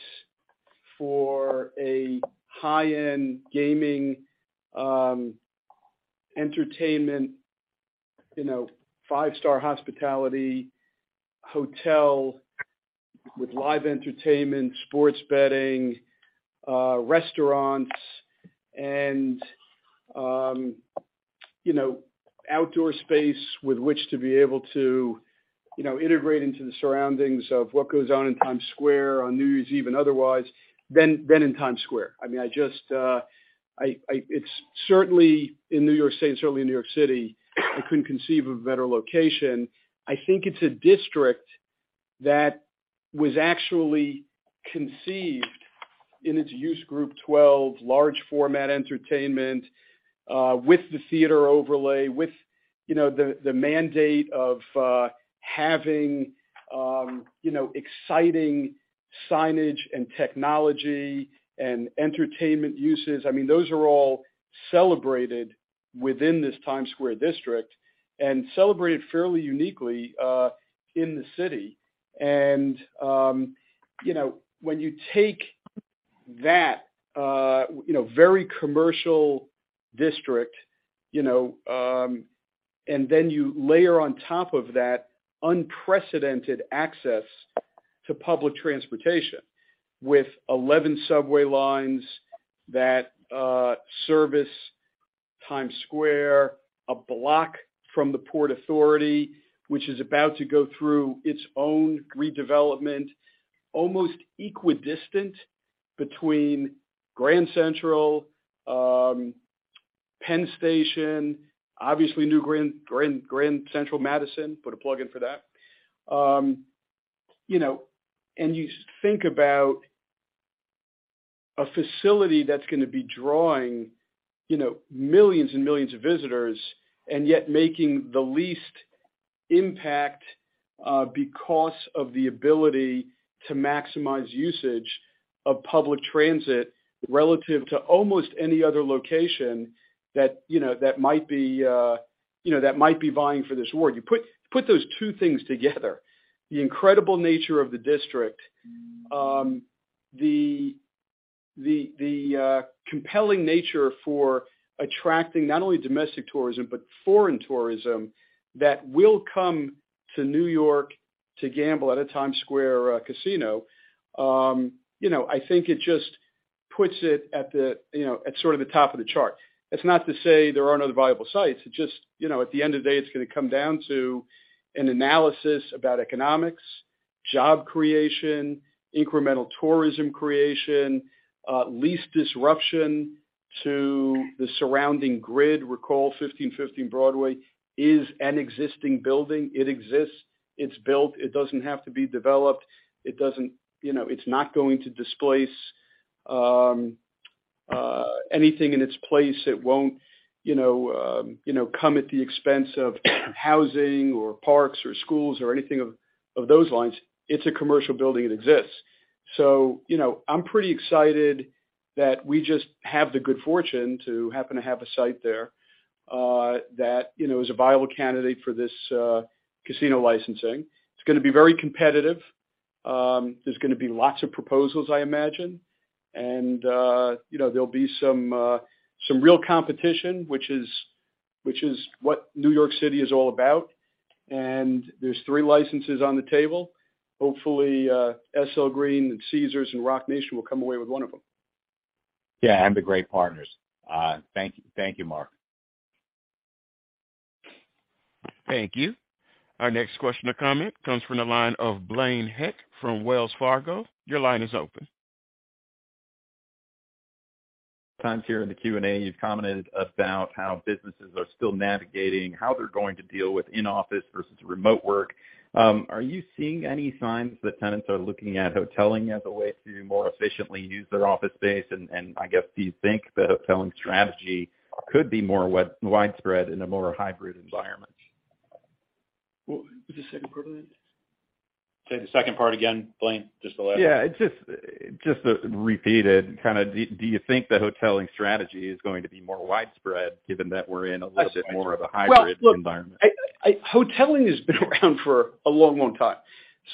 for a high-end gaming, entertainment, you know, five-star hospitality hotel with live entertainment, sports betting, restaurants and, outdoor space with which to be able to, you know, integrate into the surroundings of what goes on in Times Square on New Year's Eve and otherwise than in Times Square. I mean, I just, it's certainly in New York State and certainly in New York City, I couldn't conceive of a better location. I think it's a district that was actually conceived in its Use Group 12, large format entertainment, with the theater overlay, with, you know, the mandate of having, you know, exciting signage and technology and entertainment uses. I mean, those are all celebrated within this Times Square district and celebrated fairly uniquely in the city. And, you know, when you take that, you know, very commercial district, you know, and then you layer on top of that unprecedented access to public transportation with 11 subway lines that service Times Square, a block from the Port Authority, which is about to go through its own redevelopment, almost equidistant between Grand Central, Penn Station, obviously new Grand Central Madison, put a plug-in for that. You know, you think about a facility that's gonna be drawing, you know, millions and millions of visitors and yet making the least impact, because of the ability to maximize usage of public transit relative to almost any other location that, you know, that might be, you know, that might be vying for this award. You put those two things together, the incredible nature of the district, the compelling nature for attracting not only domestic tourism, but foreign tourism that will come to New York to gamble at a Times Square casino, you know, I think it just puts it at the, you know, at sort of the top of the chart. It's not to say there aren't other viable sites. It's just, you know, at the end of the day, it's going to come down to an analysis about economics, job creation, incremental tourism creation, least disruption to the surrounding grid. Recall 1515 Broadway is an existing building. It exists, it's built, it doesn't have to be developed. It doesn't, you know, it's not going to displace anything in its place. It won't, you know, you know, come at the expense of housing or parks or schools or anything of those lines. It's a commercial building that exists. You know, I'm pretty excited that we just have the good fortune to happen to have a site there, that, you know, is a viable candidate for this casino licensing. It's gonna be very competitive. There's gonna be lots of proposals, I imagine. You know, there'll be some real competition, which is what New York City is all about. There's three licenses on the table. Hopefully, SL Green and Caesars and Roc Nation will come away with one of them. The great partners. Thank you. Thank you, Marc. Thank you. Our next question or comment comes from the line of Blaine Heck from Wells Fargo. Your line is open. Times here in the Q&A, you've commented about how businesses are still navigating, how they're going to deal with in-office versus remote work. Are you seeing any signs that tenants are looking at hoteling as a way to more efficiently use their office space? I guess, do you think the hoteling strategy could be more widespread in a more hybrid environment? Well, would you say it equivalent? Say the second part again, Blaine, just the last... Yeah, just repeated kind of do you think the hoteling strategy is going to be more widespread given that we're in a little bit more of a hybrid environment? Look, Hoteling has been around for a long, long time.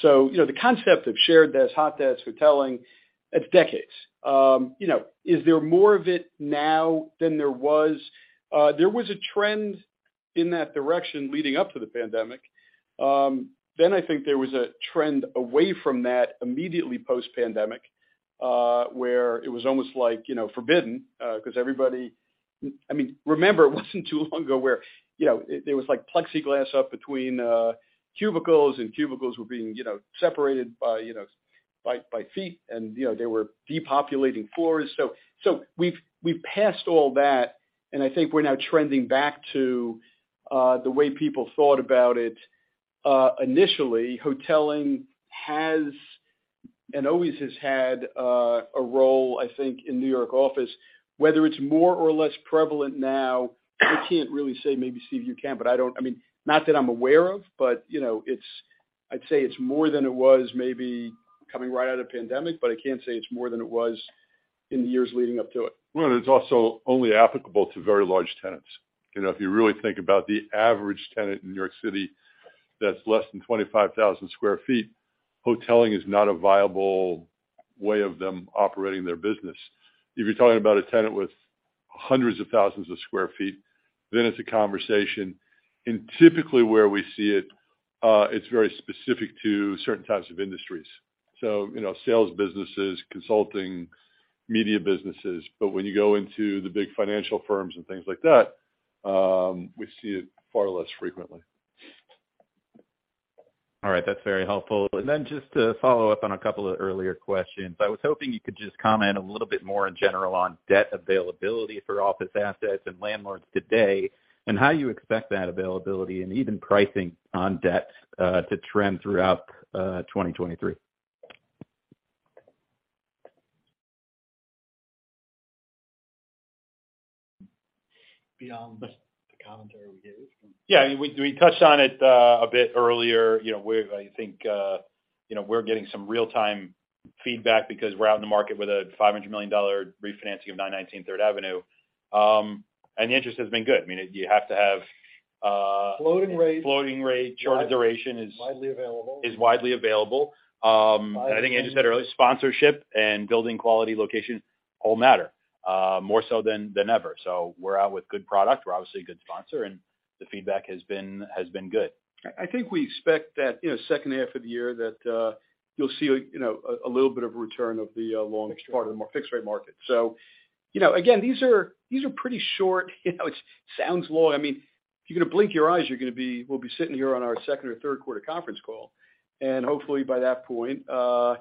You know, the concept of shared desks, hot desks, Hoteling, it's decades. You know, is there more of it now than there was? There was a trend in that direction leading up to the pandemic. I think there was a trend away from that immediately post-pandemic, where it was almost like, you know, forbidden, I mean, remember, it wasn't too long ago where, you know, there was like plexiglass up between cubicles, and cubicles were being, you know, separated by feet. You know, they were depopulating floors. We've passed all that, I think we're now trending back to the way people thought about it initially. hoteling has and always has had a role, I think, in New York office. Whether it's more or less prevalent now, I can't really say. Maybe Steve, you can. I mean, not that I'm aware of, but, you know, I'd say it's more than it was maybe coming right out of pandemic, I can't say it's more than it was in the years leading up to it. It's also only applicable to very large tenants. You know, if you really think about the average tenant in New York City that's less than 25,000 sq. ft, hoteling is not a viable way of them operating their business. If you're talking about a tenant with hundreds of thousands of sq. ft, then it's a conversation. Typically, where we see it's very specific to certain types of industries. You know, sales businesses, consulting, media businesses. When you go into the big financial firms and things like that, we see it far less frequently. All right. That's very helpful. Just to follow up on a couple of earlier questions, I was hoping you could just comment a little bit more in general on debt availability for office assets and landlords today, and how you expect that availability and even pricing on debt to trend throughout 2023. Beyond the commentary we gave? Yeah, we touched on it a bit earlier. You know, I think, you know, we're getting some real-time feedback because we're out in the market with a $500 million refinancing of 919 Third Avenue. The interest has been good. I mean, you have to have, Floating rates. floating rate, shorter duration. Widely available.... is widely available. I think Andrew said earlier, sponsorship and building quality location all matter, more so than ever. We're out with good product. We're obviously a good sponsor, and the feedback has been good. I think we expect that, you know, second half of the year, you'll see, you know, a little bit of return of the long part of the fixed rate market. You know, again, these are pretty short, you know. It sounds long. I mean, if you're gonna blink your eyes, we'll be sitting here on our second or third quarter conference call. Hopefully, by that point, you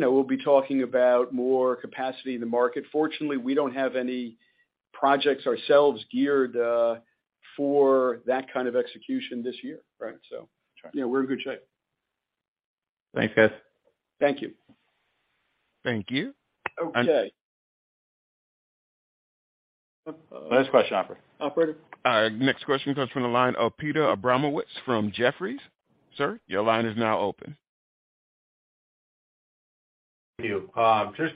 know, we'll be talking about more capacity in the market. Fortunately, we don't have any projects ourselves geared for that kind of execution this year. Right. So- That's right.... yeah, we're in good shape. Thanks, guys. Thank you. Thank you. Okay. Next question, operator. Operator? Next question comes from the line of Peter Abramowitz from Jefferies. Sir, your line is now open. Thank you.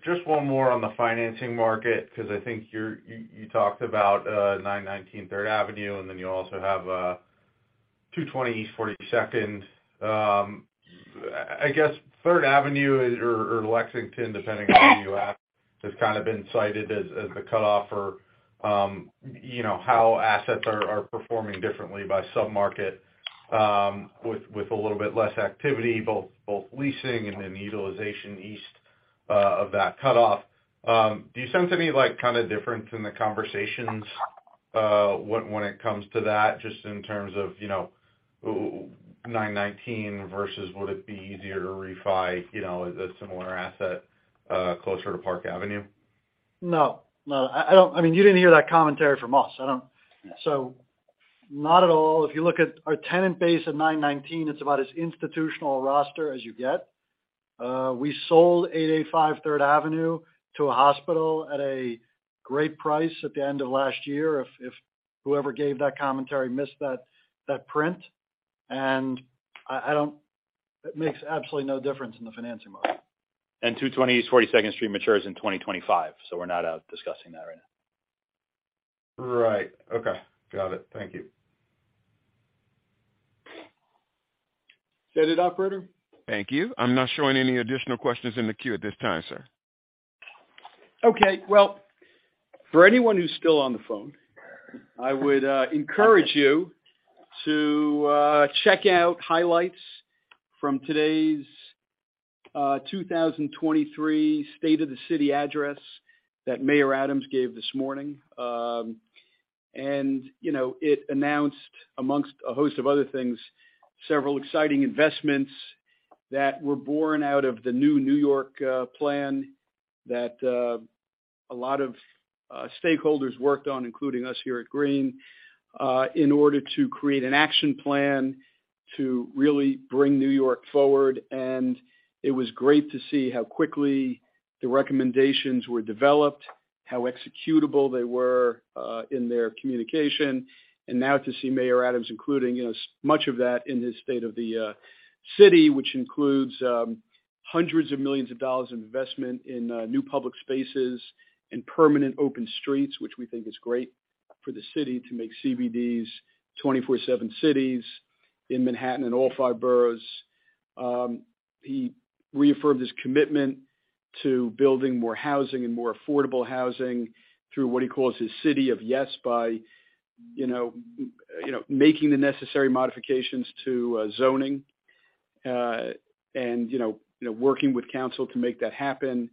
Just one more on the financing market, 'cause I think you're, you talked about 919 Third Avenue, and then you also have 220 East 42nd. I guess Third Avenue is or Lexington, depending on who you ask, has kind of been cited as the cutoff for, you know, how assets are performing differently by sub-market, with a little bit less activity, both leasing and then utilization east of that cutoff. Do you sense any, like, kinda difference in the conversations when it comes to that, just in terms of, you know, 919 versus would it be easier to refi, you know, a similar asset closer to Park Avenue? No. No. I mean, you didn't hear that commentary from us. I don't- Yeah. Not at all. If you look at our tenant base at 919, it's about as institutional a roster as you get. We sold 885 Third Avenue to a hospital at a great price at the end of last year, if whoever gave that commentary missed that print. I don't. It makes absolutely no difference in the financing market. 220 East 42nd Street matures in 2025, so we're not out discussing that right now. Right. Okay. Got it. Thank you. Is that it, operator? Thank you. I'm not showing any additional questions in the queue at this time, sir. Okay. Well, for anyone who's still on the phone, I would encourage you to check out highlights from today's 2023 State of the City address that Mayor Adams gave this morning. You know, it announced amongst a host of other things, several exciting investments that were born out of the New York plan that a lot of stakeholders worked on, including us here at Green, in order to create an action plan to really bring New York forward. It was great to see how quickly the recommendations were developed, how executable they were in their communication. Now to see Mayor Adams including, you know, much of that in his State of the City, which includes $ hundreds of millions of investment in new public spaces and permanent open streets, which we think is great for the city to make CBDs 24/7 cities in Manhattan and all five boroughs. He reaffirmed his commitment to building more housing and more affordable housing through what he calls his City of Yes by, you know, making the necessary modifications to zoning and, you know, working with council to make that happen,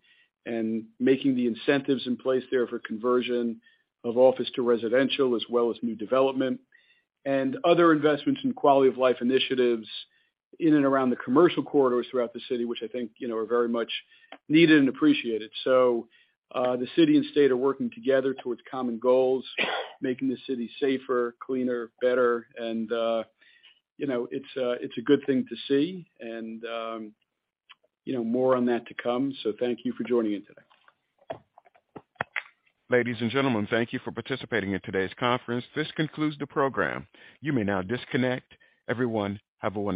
and making the incentives in place there for conversion of office to residential as well as new development. Other investments in quality of life initiatives in and around the commercial corridors throughout the City, which I think, you know, are very much needed and appreciated. The City and State are working together towards common goals, making the City safer, cleaner, better, and, you know, it's a good thing to see and, you know, more on that to come. Thank you for joining in today. Ladies and gentlemen, thank you for participating in today's conference. This concludes the program. You may now disconnect. Everyone, have a wonderful day.